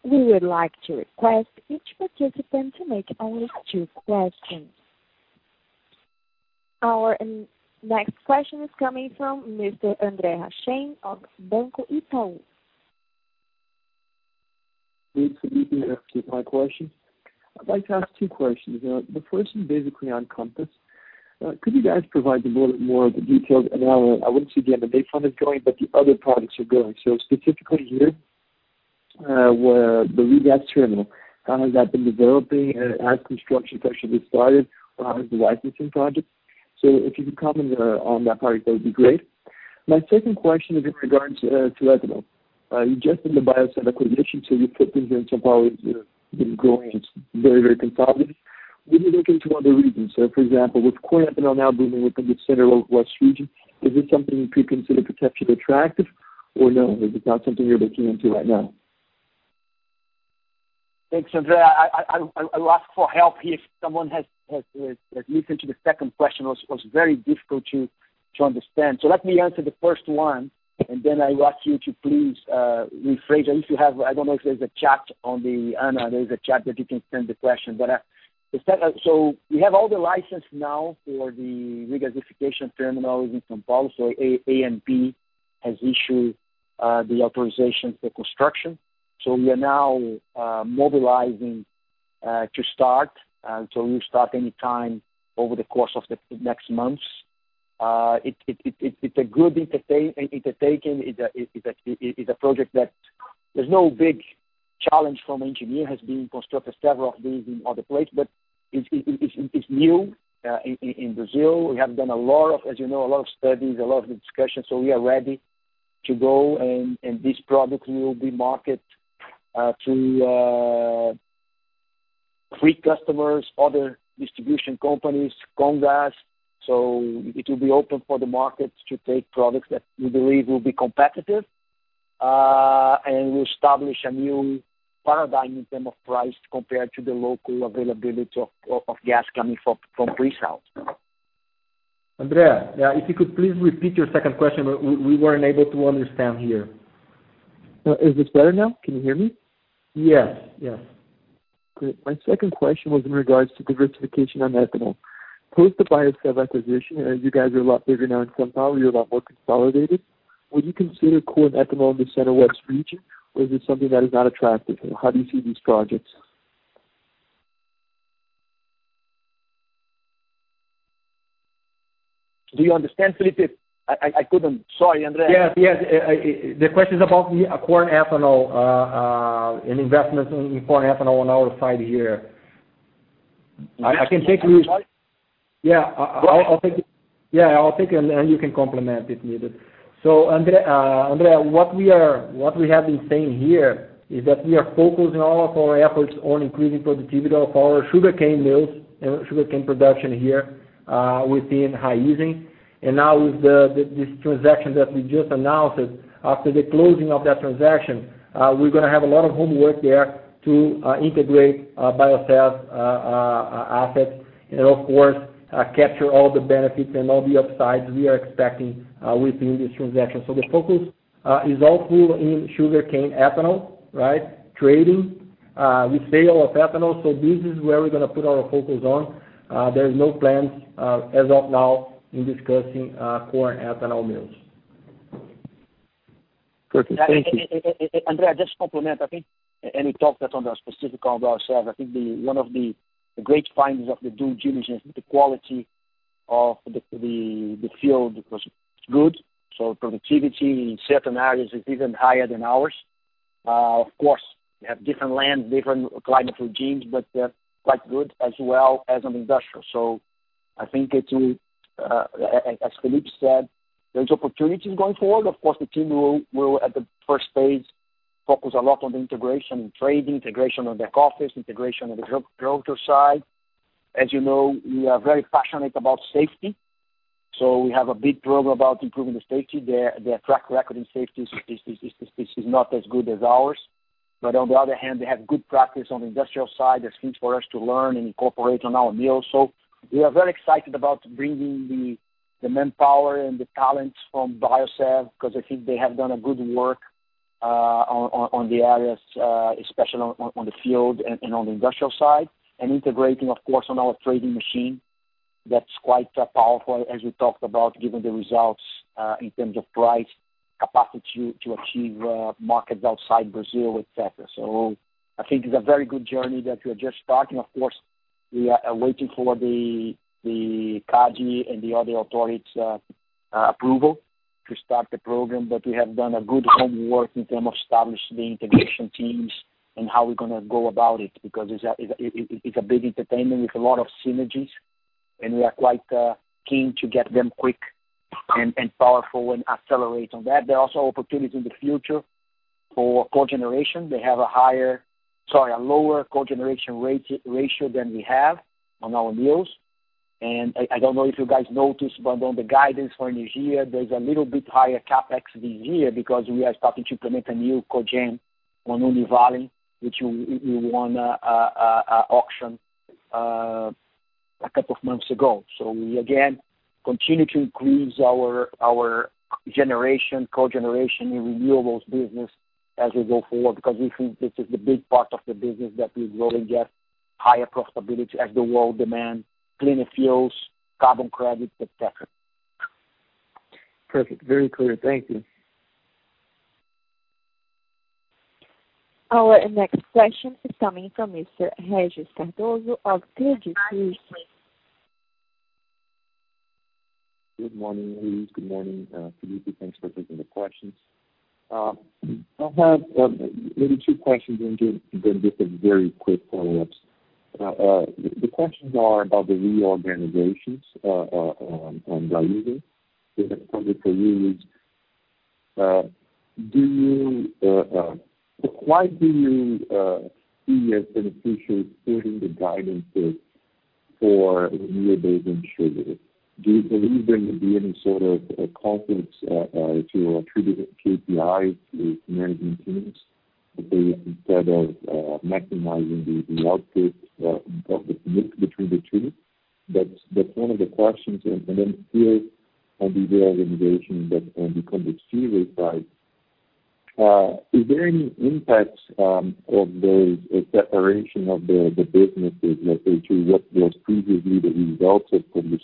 We would like to request each participant to make only two questions. Our next question is coming from Mr. André Hachem of Banco Itaú. Thanks, Felipe. My question. I'd like to ask two questions. The first is basically on Compass. Could you guys provide a little more of the details? I want to see, again, the date fund is going, but the other products are going. Specifically here, where the regas terminal, how has that been developing? Has construction actually started as the licensing project? If you could comment on that part, that would be great. My second question is in regards to ethanol. You just did the Biosev acquisition, you put things in São Paulo. It's been growing. It's very consolidated. Would you look into other regions? For example, with corn ethanol now booming within the Central West region, is this something you could consider potentially attractive, or no, is it not something you're looking into right now? Thanks, André. I will ask for help here if someone has listened to the second question. It was very difficult to understand. Let me answer the first one, and then I ask you to please rephrase, or if you have, I don't know if there's a chat. Ana, there is a chat that you can send the question. We have all the license now for the regasification terminal in São Paulo. ANP has issued the authorization for construction. We are now mobilizing to start, we'll start any time over the course of the next months. It's a good undertaking. It's a project that there's no big challenge from engineer has been constructed several of these in other places, but it's new in Brazil. We have done, as you know, a lot of studies, a lot of the discussions. We are ready to go, and this product will be marketed to three customers, other distribution companies, Comgás. It will be open for the market to take products that we believe will be competitive, and will establish a new paradigm in terms of price compared to the local availability of gas coming from Pre-salt. André, if you could please repeat your second question, we weren't able to understand here. Is this better now? Can you hear me? Yes. Great. My second question was in regards to diversification on ethanol. Post the Biosev's acquisition, as you guys are a lot bigger now in some power, you're a lot more consolidated. Would you consider corn ethanol in the Central-West region, or is it something that is not attractive? How do you see these projects? Do you understand, Felipe? I couldn't. Sorry, André. Yes. The question is about the corn ethanol, an investment in corn ethanol on our side here. I can take it. Yeah. Go ahead. Yeah, I'll take it, and you can complement if needed. André, what we have been saying here is that we are focusing all of our efforts on increasing productivity of our sugarcane mills and sugarcane production here, within Raízen. Now with this transaction that we just announced, after the closing of that transaction, we're going to have a lot of homework there to integrate Biosev's asset and of course, capture all the benefits and all the upsides we are expecting, within this transaction. The focus is all full in sugarcane ethanol. Trading, with sale of ethanol. This is where we're going to put our focus on. There is no plans, as of now in discussing corn ethanol mills. Perfect. Thank you. André, just to complement, I think, and we talked that on the specific on ourselves, I think one of the great findings of the due diligence, the quality of the field was good. Productivity in certain areas is even higher than ours. Of course, we have different land, different climate regimes, but quite good as well as on industrial. I think as Felipe said, there's opportunities going forward. Of course, the team will at the first phase focus a lot on the integration and trade integration on back office, integration on the grow side. As you know, we are very passionate about safety, so we have a big program about improving the safety. Their track record in safety is not as good as ours. On the other hand, they have good practice on the industrial side. There's things for us to learn and incorporate on our mills. We are very excited about bringing the manpower and the talents from Biosev because I think they have done a good work on the areas, especially on the field and on the industrial side. Integrating, of course, on our trading machine, that's quite powerful as we talked about, given the results, in terms of price, capacity to achieve markets outside Brazil, et cetera. I think it's a very good journey that we are just starting. Of course, we are waiting for the CADE and the other authorities approval to start the program, but we have done a good homework in terms of establishing integration teams and how we're going to go about it, because it's a big undertaking with a lot of synergies, and we are quite keen to get them quick and powerful and accelerate on that. There are also opportunities in the future for cogeneration. They have a lower cogeneration ratio than we have on our mills. I don't know if you guys noticed, but on the guidance for this year, there's a little bit higher CapEx this year because we are starting to implement a new cogen on Univalem, which we won a auction a couple of months ago. We, again, continue to increase our generation, cogeneration in renewables business as we go forward because we think this is the big part of the business that will really get higher profitability as the world demand cleaner fuels, carbon credits, et cetera. Perfect. Very clear. Thank you. Our next question is coming from Mr. Regis Cardoso of Credit Suisse. Good morning, Luiz. Good morning, Felipe. Thanks for taking the questions. I have maybe two questions and then just a very quick follow-ups. The questions are about the reorganizations on Raízen. First one is for Luiz. Why do you see as beneficial splitting the guidances for bio-based and sugar? Do you believe there will be any sort of conflicts to attributed KPIs to management teams? That they, instead of maximizing the output of the mix between the two? That's one of the questions. Then here on the reorganization that become the side. Is there any impact of the separation of the businesses, let's say, to what was previously the results from,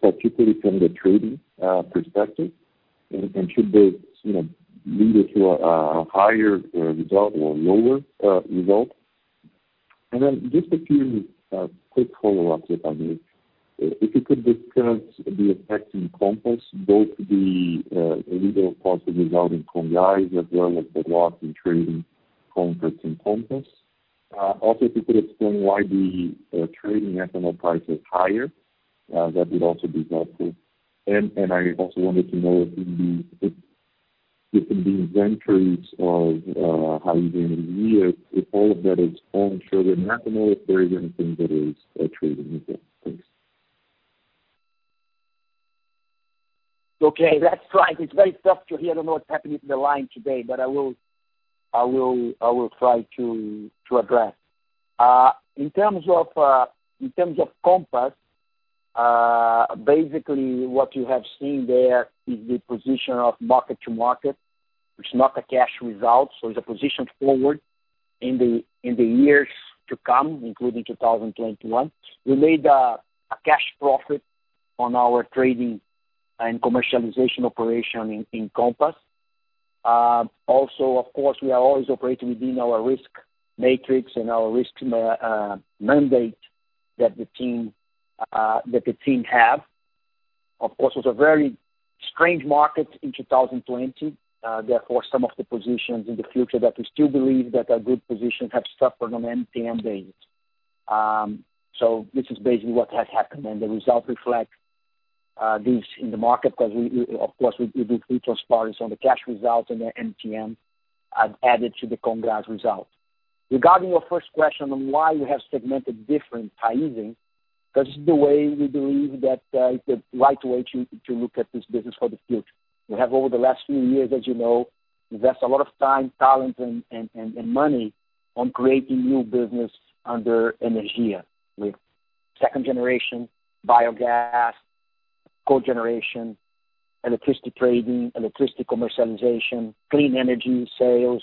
particularly from the trading perspective? Should this lead us to a higher result or lower result? Then just a few quick follow-ups if I may. If you could discuss the effects in Compass, both the initial cost result in Comgás, as well as the loss in trading operations in Compass. Also, if you could explain why the trading ethanol price is higher, that would also be helpful. I also wanted to know within the inventories of Raízen in the year, if all of that is owned sugar and ethanol, if there is anything that is traded within. Thanks. Okay. That's right. It's very tough to hear. I don't know what's happening with the line today. I will try to address. In terms of Compass, basically what you have seen there is the position of mark-to-market. It's not a cash result. It's a position forward in the years to come, including 2021. We made a cash profit on our trading and commercialization operation in Compass. Of course, we are always operating within our risk matrix and our risk mandate that the team have. Of course, it was a very strange market in 2020. Some of the positions in the future that we still believe that are good positions have suffered on MTM basis. This is basically what has happened, and the results reflect this in the market because, of course, we do full transparency on the cash results and the MTM added to the Comgás result. Regarding your first question on why you have segmented different Raízen, because this is the way we believe that is the right way to look at this business for the future. We have, over the last few years, as you know, invest a lot of time, talent, and money on creating new business under Energia with second-generation biogas, cogeneration, electricity trading, electricity commercialization, clean energy sales,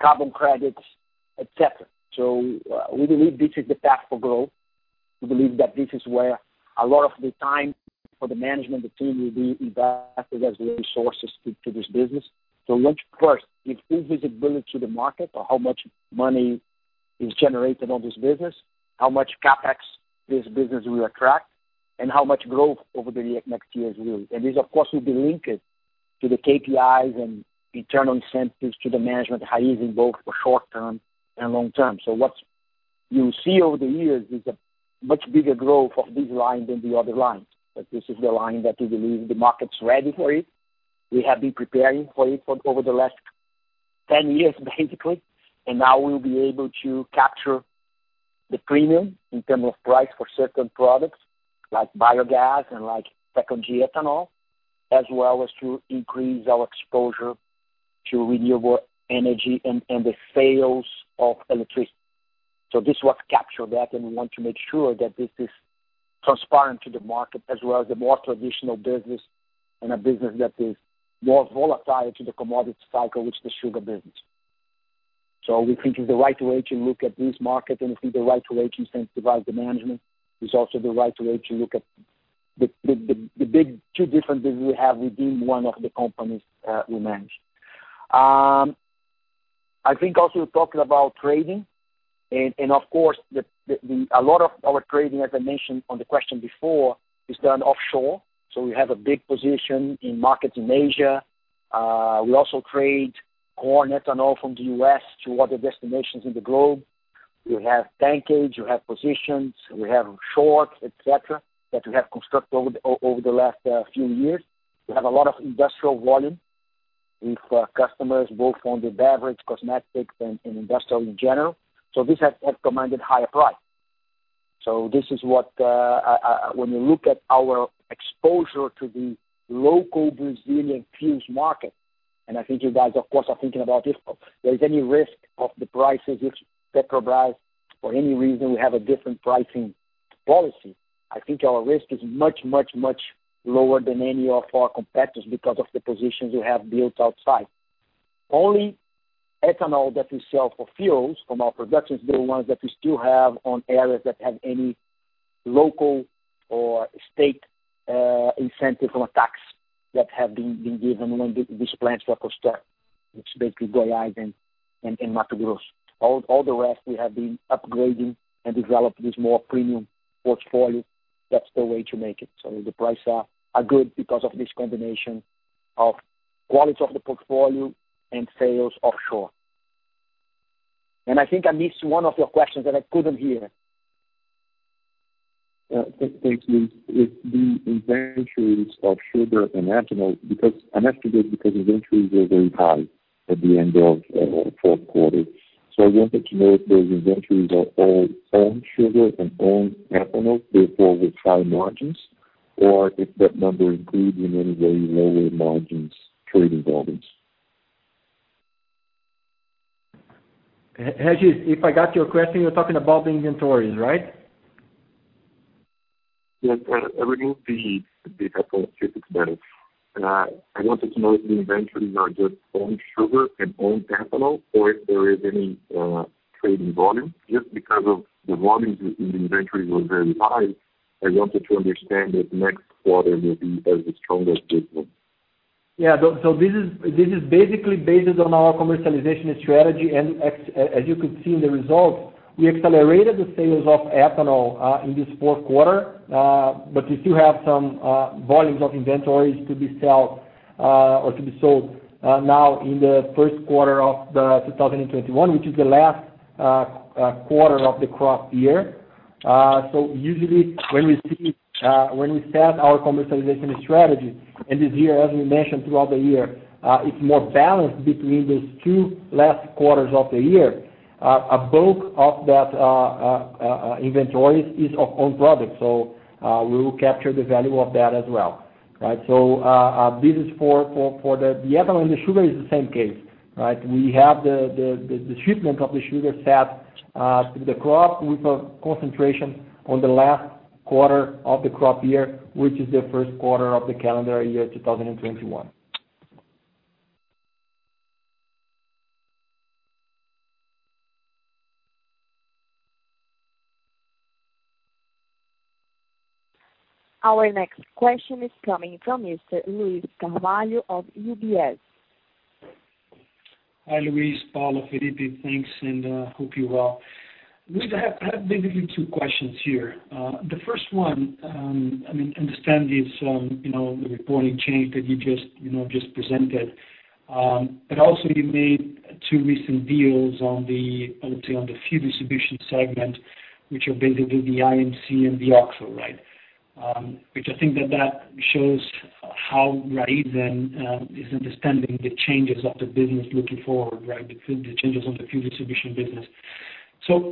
carbon credits, et cetera. We believe this is the path for growth. We believe that this is where a lot of the time for the management team will be invested as we resources to this business. Look first, it gives visibility to the market on how much money is generated on this business, how much CapEx this business will attract, and how much growth over the next years will. This, of course, will be linked to the KPIs and internal incentives to the management of Raízen, both for short-term and long-term. What you see over the years is a much bigger growth of this line than the other lines. This is the line that we believe the market's ready for it. We have been preparing for it for over the last 10 years, basically, and now we'll be able to capture the premium in terms of price for certain products like biogas and second-gen ethanol, as well as to increase our exposure to renewable energy and the sales of electricity. This is what captured that, and we want to make sure that this is transparent to the market as well as the more traditional business and a business that is more volatile to the commodity cycle, which is the sugar business. We think it's the right way to look at this market, and we think the right way to incentivize the management is also the right way to look at the big two differences we have within one of the companies we manage. I think also you talked about trading and, of course, a lot of our trading, as I mentioned on the question before, is done offshore. We have a big position in markets in Asia. We also trade corn ethanol from the U.S. to other destinations in the globe. We have tankage, we have positions, we have shorts, et cetera, that we have constructed over the last few years. We have a lot of industrial volume with customers both on the beverage, cosmetics, and industrial in general. This has commanded higher price. When you look at our exposure to the local Brazilian fuels market, and I think you guys, of course, are thinking about this, there is any risk of the prices if Petrobras, for any reason, will have a different pricing policy. I think our risk is much, much, much lower than any of our competitors because of the positions we have built outside. Only ethanol that we sell for fuels from our production is the ones that we still have on areas that have any local or state incentive on a tax that have been given when these plants were constructed, which is basically Goiás and Mato Grosso. The rest we have been upgrading and developing this more premium portfolio. That's the way to make it. The prices are good because of this combination of quality of the portfolio and sales offshore. I think I missed one of your questions that I couldn't hear. Thank you. With the inventories of sugar and ethanol, I'm asking this because inventories were very high at the end of fourth quarter. I wanted to know if those inventories are all owned sugar and owned ethanol, therefore with high margins, or if that number include in any way lower margins trading volumes. Regis, if I got your question, you're talking about the inventories, right? Yes. Everything the CFO gives us better. I wanted to know if the inventories are just owned sugar and owned ethanol or if there is any trading volume. Just because of the volumes in the inventory were very high, I wanted to understand if next quarter will be as strong as this one. Yeah. This is basically based on our commercialization strategy. As you could see in the results, we accelerated the sales of ethanol in this fourth quarter, but we still have some volumes of inventories to be sold now in the first quarter of 2021, which is the last quarter of the crop year. Usually when we set our commercialization strategy, and this year, as we mentioned throughout the year, it's more balanced between those two last quarters of the year. A bulk of that inventory is of own product. We will capture the value of that as well, right? This is for the ethanol, and the sugar is the same case, right? We have the shipment of the sugar set to the crop with a concentration on the last quarter of the crop year, which is the first quarter of the calendar year 2021. Our next question is coming from Mr. Luiz Carvalho of UBS. Hi, Luiz, Paula, Felipe. Thanks, and hope you're well. Luiz, I have basically two questions here. The first one, I understand it's the reporting change that you just presented. Also you made two recent deals on the fuel distribution segment, which are basically the IMC and the OXXO, right? Which I think that shows how Raízen is understanding the changes of the business looking forward, right? The changes on the fuel distribution business.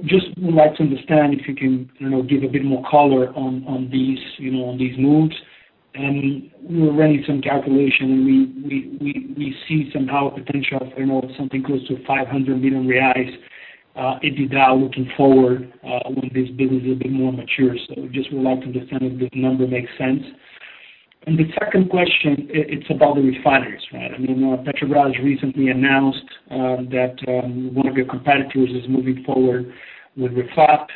Just would like to understand if you can give a bit more color on these moves. We were running some calculation, and we see somehow a potential of something close to 500 million reais EBITDA looking forward, when this business will be more mature. Just would like to understand if this number makes sense. The second question, it's about the refineries, right? Petrobras recently announced that one of your competitors is moving forward with Refap.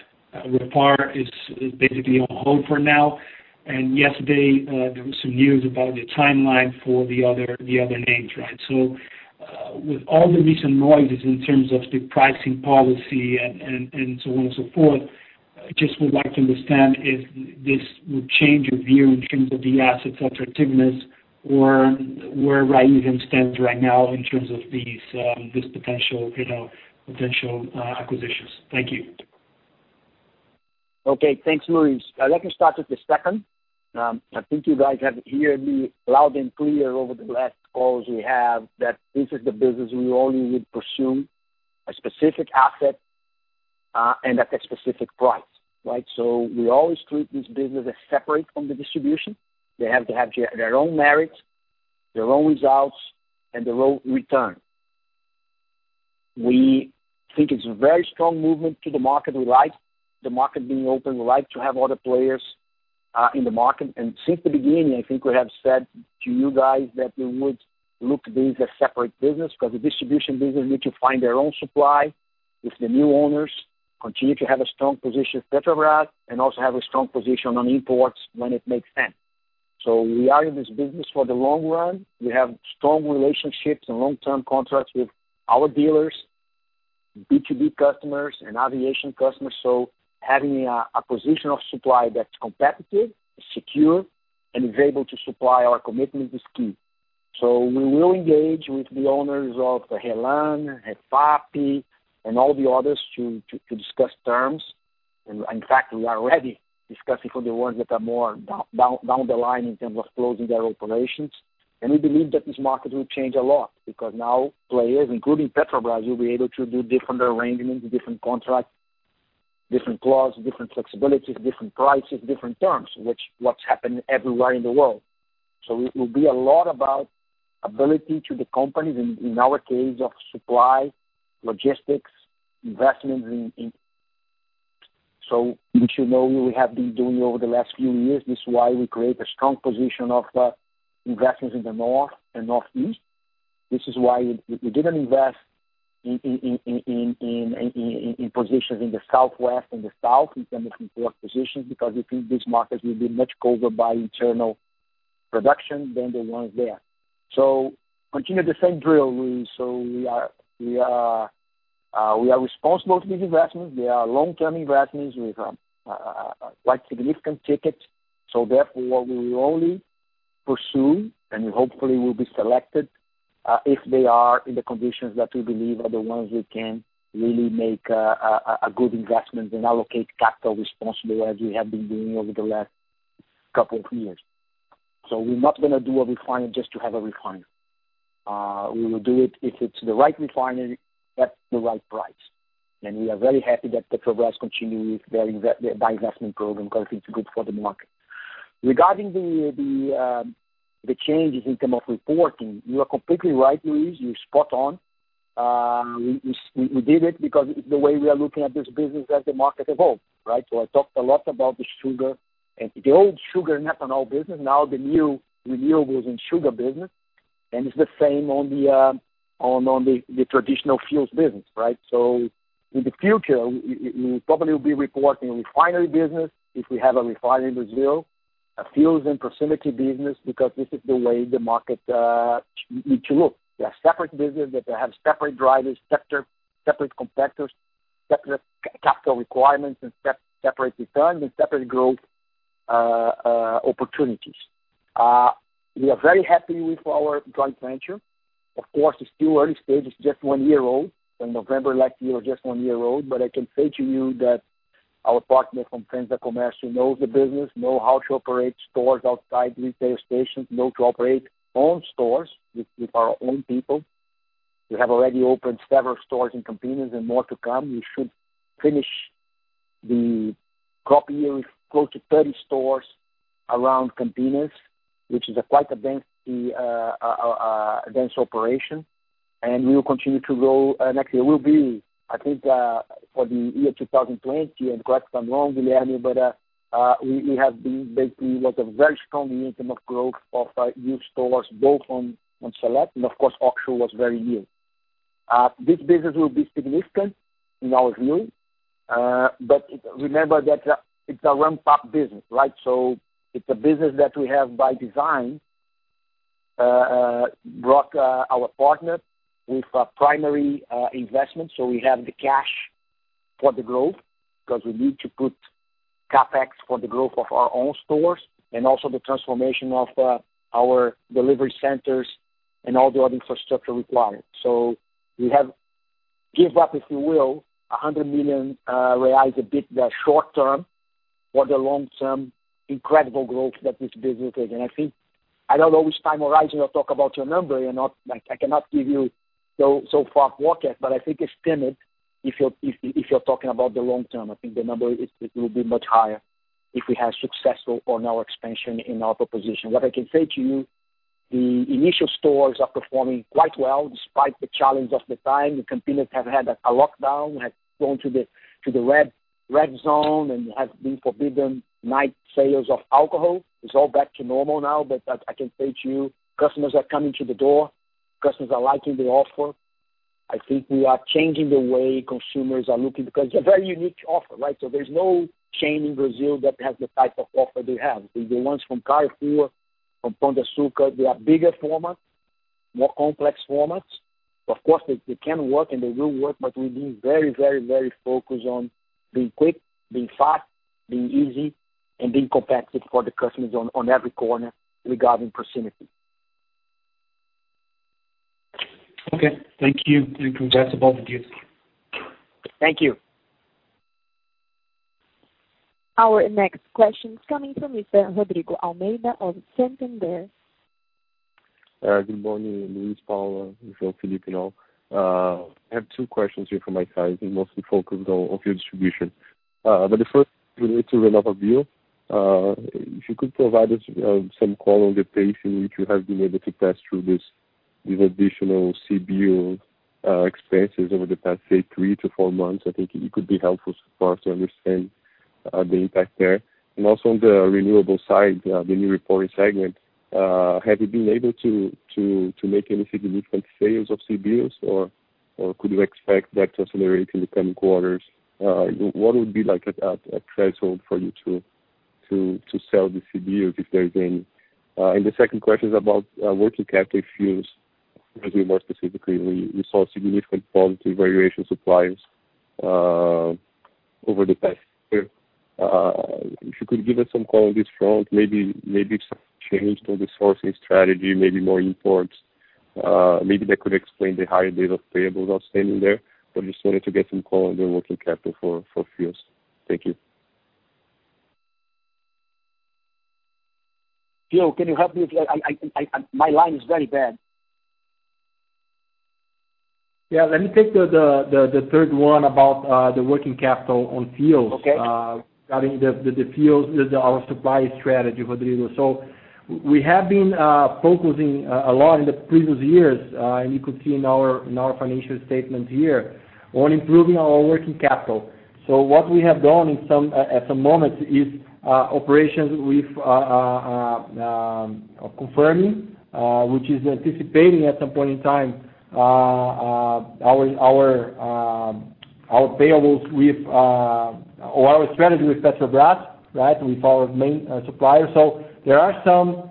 Refap is basically on hold for now. Yesterday, there was some news about the timeline for the other names, right? With all the recent noises in terms of the pricing policy and so on and so forth, just would like to understand if this would change your view in terms of the asset's attractiveness or where Raízen stands right now in terms of these potential acquisitions. Thank you. Okay. Thanks, Luiz. Let me start with the second. I think you guys have heard me loud and clear over the last calls we have, that this is the business we only would pursue a specific asset and at a specific price, right? We always treat this business as separate from the distribution. They have to have their own merits, their own results, and their own return. We think it's a very strong movement to the market. We like the market being open. We like to have other players in the market. Since the beginning, I think we have said to you guys that we would look at this as separate business, because the distribution business need to find their own supply with the new owners, continue to have a strong position with Petrobras, and also have a strong position on imports when it makes sense. We are in this business for the long run. We have strong relationships and long-term contracts with our dealers, B2B customers, and aviation customers. Having a position of supply that's competitive, secure, and is able to supply our commitment is key. We will engage with the owners of Renan, Refap, and all the others to discuss terms. In fact, we are already discussing for the ones that are more down the line in terms of closing their operations. We believe that this market will change a lot, because now players, including Petrobras, will be able to do different arrangements, different contracts, different clause, different flexibilities, different prices, different terms, which what's happening everywhere in the world. It will be a lot about ability to the companies, in our case, of supply, logistics, investments. You should know we have been doing over the last few years. This is why we create a strong position of investments in the North and Northeast. This is why we didn't invest in positions in the Southwest and the South in terms of import positions, because we think these markets will be much covered by internal production than the ones there. Continue the same drill, Luiz. We are responsible for these investments. They are long-term investments with a quite significant ticket. Therefore, we will only pursue, and we hopefully will be selected, if they are in the conditions that we believe are the ones we can really make a good investment and allocate capital responsibly as we have been doing over the last couple of years. We're not going to do a refinery just to have a refinery. We will do it if it's the right refinery at the right price. We are very happy that Petrobras continue with their disinvestment program, because it's good for the market. Regarding the changes in term of reporting, you are completely right, Luiz. You're spot on. We did it because the way we are looking at this business as the market evolves, right? I talked a lot about the sugar, and the old sugar and ethanol business, now the new renewables and sugar business. It's the same on the traditional fuels business, right? In the future, we probably will be reporting refinery business if we have a refinery in Brazil, a fuels and proximity business, because this is the way the market need to look. They are separate business that have separate drivers, separate competitors, separate capital requirements, and separate returns, and separate growth opportunities. We are very happy with our joint venture. It's still early stages, just one year old. In November last year, just one year old. I can say to you that our partner from FEMSA Comércio knows the business, know how to operate stores outside retail stations, know to operate own stores with our own people. We have already opened several stores in Campinas and more to come. We should finish the year with close to 30 stores around Campinas, which is quite a dense operation. We will continue to grow next year. We'll be, I think, for the year 2020, correct if I'm wrong, Guilherme, we have been basically was a very strong year in term of growth of new stores, both on Select and of course, OXXO was very new. This business will be significant in our view. Remember that it's a ramp-up business, right? It's a business that we have by design, brought our partner with primary investment so we have the cash for the growth, because we need to put CapEx for the growth of our own stores and also the transformation of our delivery centers and all the other infrastructure required. We have give up, if you will, 100 million reais a bit short-term, for the long-term incredible growth that this business is. I think, I don't know which time horizon you'll talk about your number. I cannot give you so far forecast, but I think it's timid if you're talking about the long term. I think the number, it will be much higher if we are successful on our expansion and our proposition. What I can say to you, the initial stores are performing quite well despite the challenge of the time. Campinas have had a lockdown, have gone to the red zone, and have been forbidden night sales of alcohol. It's all back to normal now. I can say to you, customers are coming to the door. Customers are liking the offer. I think we are changing the way consumers are looking, because it's a very unique offer, right? There's no chain in Brazil that has the type of offer they have. The ones from Carrefour, from Pão de Açúcar, they are bigger format, more complex formats. Of course, they can work and they will work. We're being very focused on being quick, being fast, being easy, and being competitive for the customers on every corner regarding proximity. Okay. Thank you, and congrats about the deal. Thank you. Our next question is coming from Mr. Rodrigo Almeida of Santander. Good morning, Luiz, Paulo, João, Felipe and all. I have two questions here for my side, mostly focused on fuel distribution. The first relates to renewable. If you could provide us some color on the pace in which you have been able to pass through these additional CBIO expenses over the past, say, three to four months. I think it could be helpful for us to understand the impact there. Also, on the renewable side, the new reporting segment, have you been able to make any significant sales of CBUs, or could you expect that to accelerate in the coming quarters? What would be a threshold for you to sell the CBUs, if there is any? The second question is about working capital fuels, maybe more specifically, we saw significant positive variation supplies over the past year. If you could give us some color on this front, maybe some change to the sourcing strategy, maybe more imports. Maybe that could explain the higher days of payables outstanding there. Just wanted to get some color on the working capital for fuels. Thank you. João, can you help me? My line is very bad. Yeah. Let me take the third one about the working capital on fuels. Okay. Regarding the fuels, our supply strategy, Rodrigo. We have been focusing a lot in the previous years, and you could see in our financial statement here, on improving our working capital. What we have done at the moment is operations with confirming, which is anticipating at some point in time our payables or our strategy with Petrobras, right, with our main supplier. There are some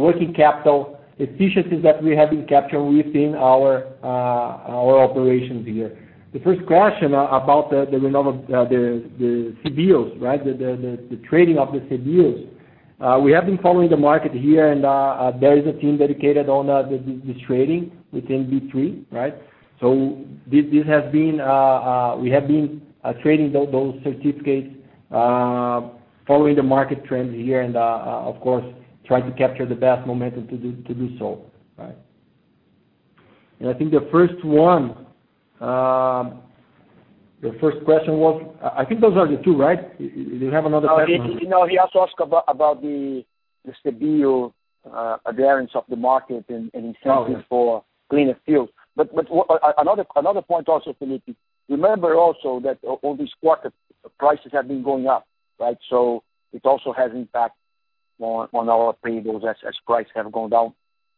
working capital efficiencies that we have been capturing within our operations here. The first question about the CBIO, right? The trading of the CBIOs. We have been following the market here, and there is a team dedicated on this trading within B3, right? We have been trading those certificates, following the market trends here and, of course, try to capture the best momentum to do so, right? I think those are the two, right? Do you have another question? He also asked about the CBIO adherence of the market and incentive for cleaner fuels. Another point also, Felipe. Remember also that all these quarter prices have been going up, right? It also has impact on our payables as prices have gone down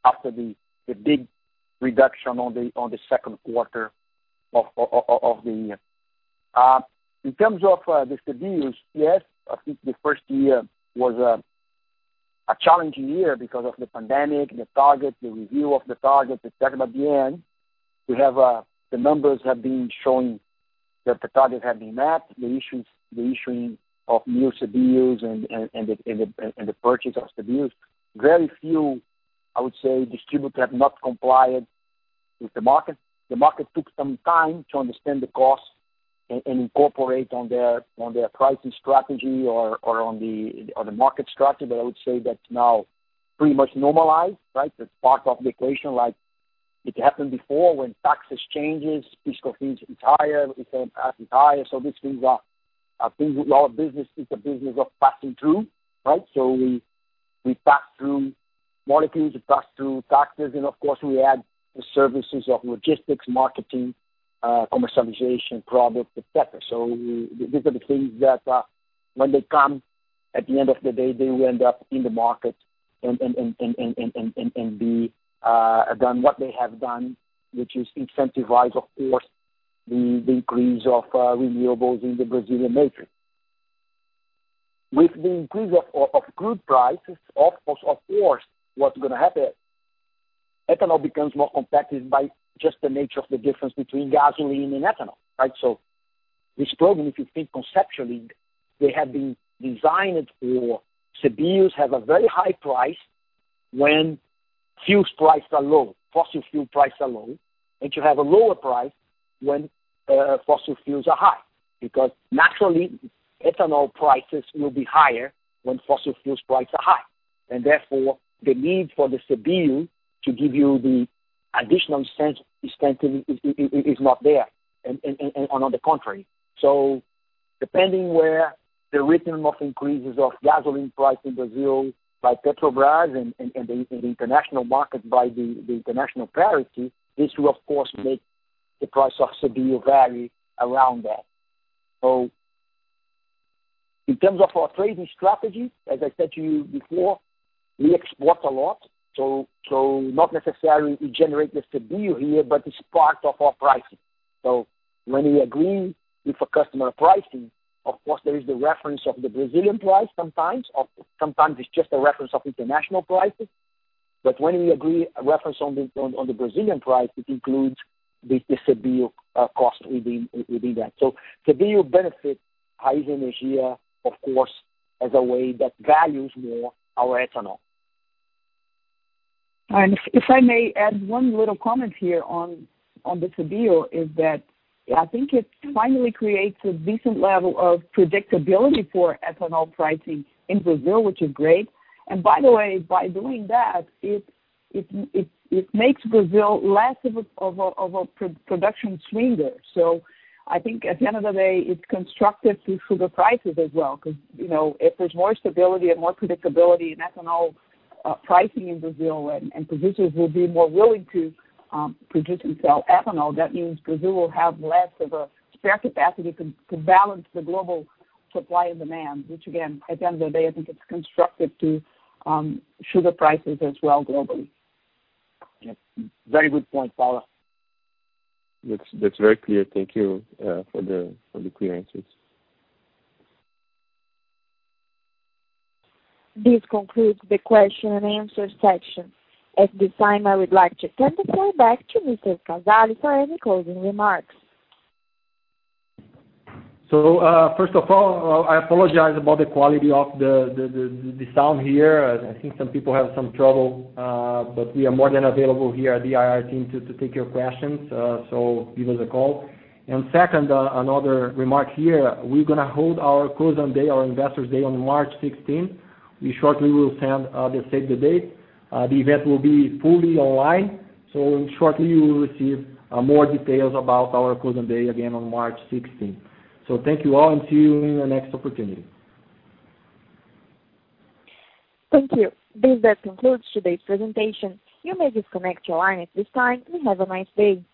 after the big reduction on the second quarter of the year. In terms of the CBios, yes, I think the first year was a challenging year because of the pandemic and the target, the review of the target at the end of the year. The numbers have been showing that the target had been met, the issuing of new CBios and the purchase of CBios. Very few, I would say, distributors have not complied with the market. The market took some time to understand the cost and incorporate on their pricing strategy or on the market structure. I would say that's now pretty much normalized, right? That's part of the equation. Like it happened before when taxes changes, fiscal fees get higher, ethanol price get higher. These things are things our business is a business of passing through, right? We pass through molecules, we pass through taxes, and of course we add the services of logistics, marketing, commercialization, product, et cetera. These are the things that when they come at the end of the day, they will end up in the market and be done what they have done, which is incentivize, of course, the increase of renewables in the Brazilian matrix. With the increase of crude prices, of course, what's going to happen? Ethanol becomes more competitive by just the nature of the difference between gasoline and ethanol, right? This program, if you think conceptually, they have been designed for CBios have a very high price when fuel prices are low, fossil fuel prices are low, and you have a lower price when fossil fuels are high. Naturally, ethanol prices will be higher when fossil fuels prices are high. Therefore, the need for the CBio to give you the additional incentive is not there, and on the contrary. Depending where the rhythm of increases of gasoline price in Brazil by Petrobras and the international market by the international parity, this will of course make the price of CBio vary around that. In terms of our trading strategy, as I said to you before, we export a lot, not necessarily we generate the CBio here, but it's part of our pricing. When we agree with a customer pricing, of course there is the reference of the Brazilian price sometimes, or sometimes it's just a reference of international prices. When we agree a reference on the Brazilian price, it includes the CBio cost within that. CBio benefits Raízen Energia, of course, as a way that values more our ethanol. If I may add one little comment here on the CBIO is that I think it finally creates a decent level of predictability for ethanol pricing in Brazil, which is great. By the way, by doing that, it makes Brazil less of a production swinger. I think at the end of the day, it's constructive to sugar prices as well, because if there's more stability and more predictability in ethanol pricing in Brazil and producers will be more willing to produce and sell ethanol, that means Brazil will have less of a spare capacity to balance the global supply and demand. Again, at the end of the day, I think it's constructive to sugar prices as well globally. Yes. Very good point, Paula. That's very clear. Thank you for the clear answers. This concludes the question and answer section. At this time, I would like to turn the floor back to Mr. Cavalli for any closing remarks. First of all, I apologize about the quality of the sound here. I think some people have some trouble. We are more than available here at the IR team to take your questions, so give us a call. Second, another remark here, we're going to hold our Cosan Day, our Investors Day on March 16th. We shortly will send the save the date. The event will be fully online, so shortly you will receive more details about our Cosan Day again on March 16th. Thank you all, and see you in the next opportunity. Thank you. This concludes today's presentation. You may disconnect your line at this time, and have a nice day.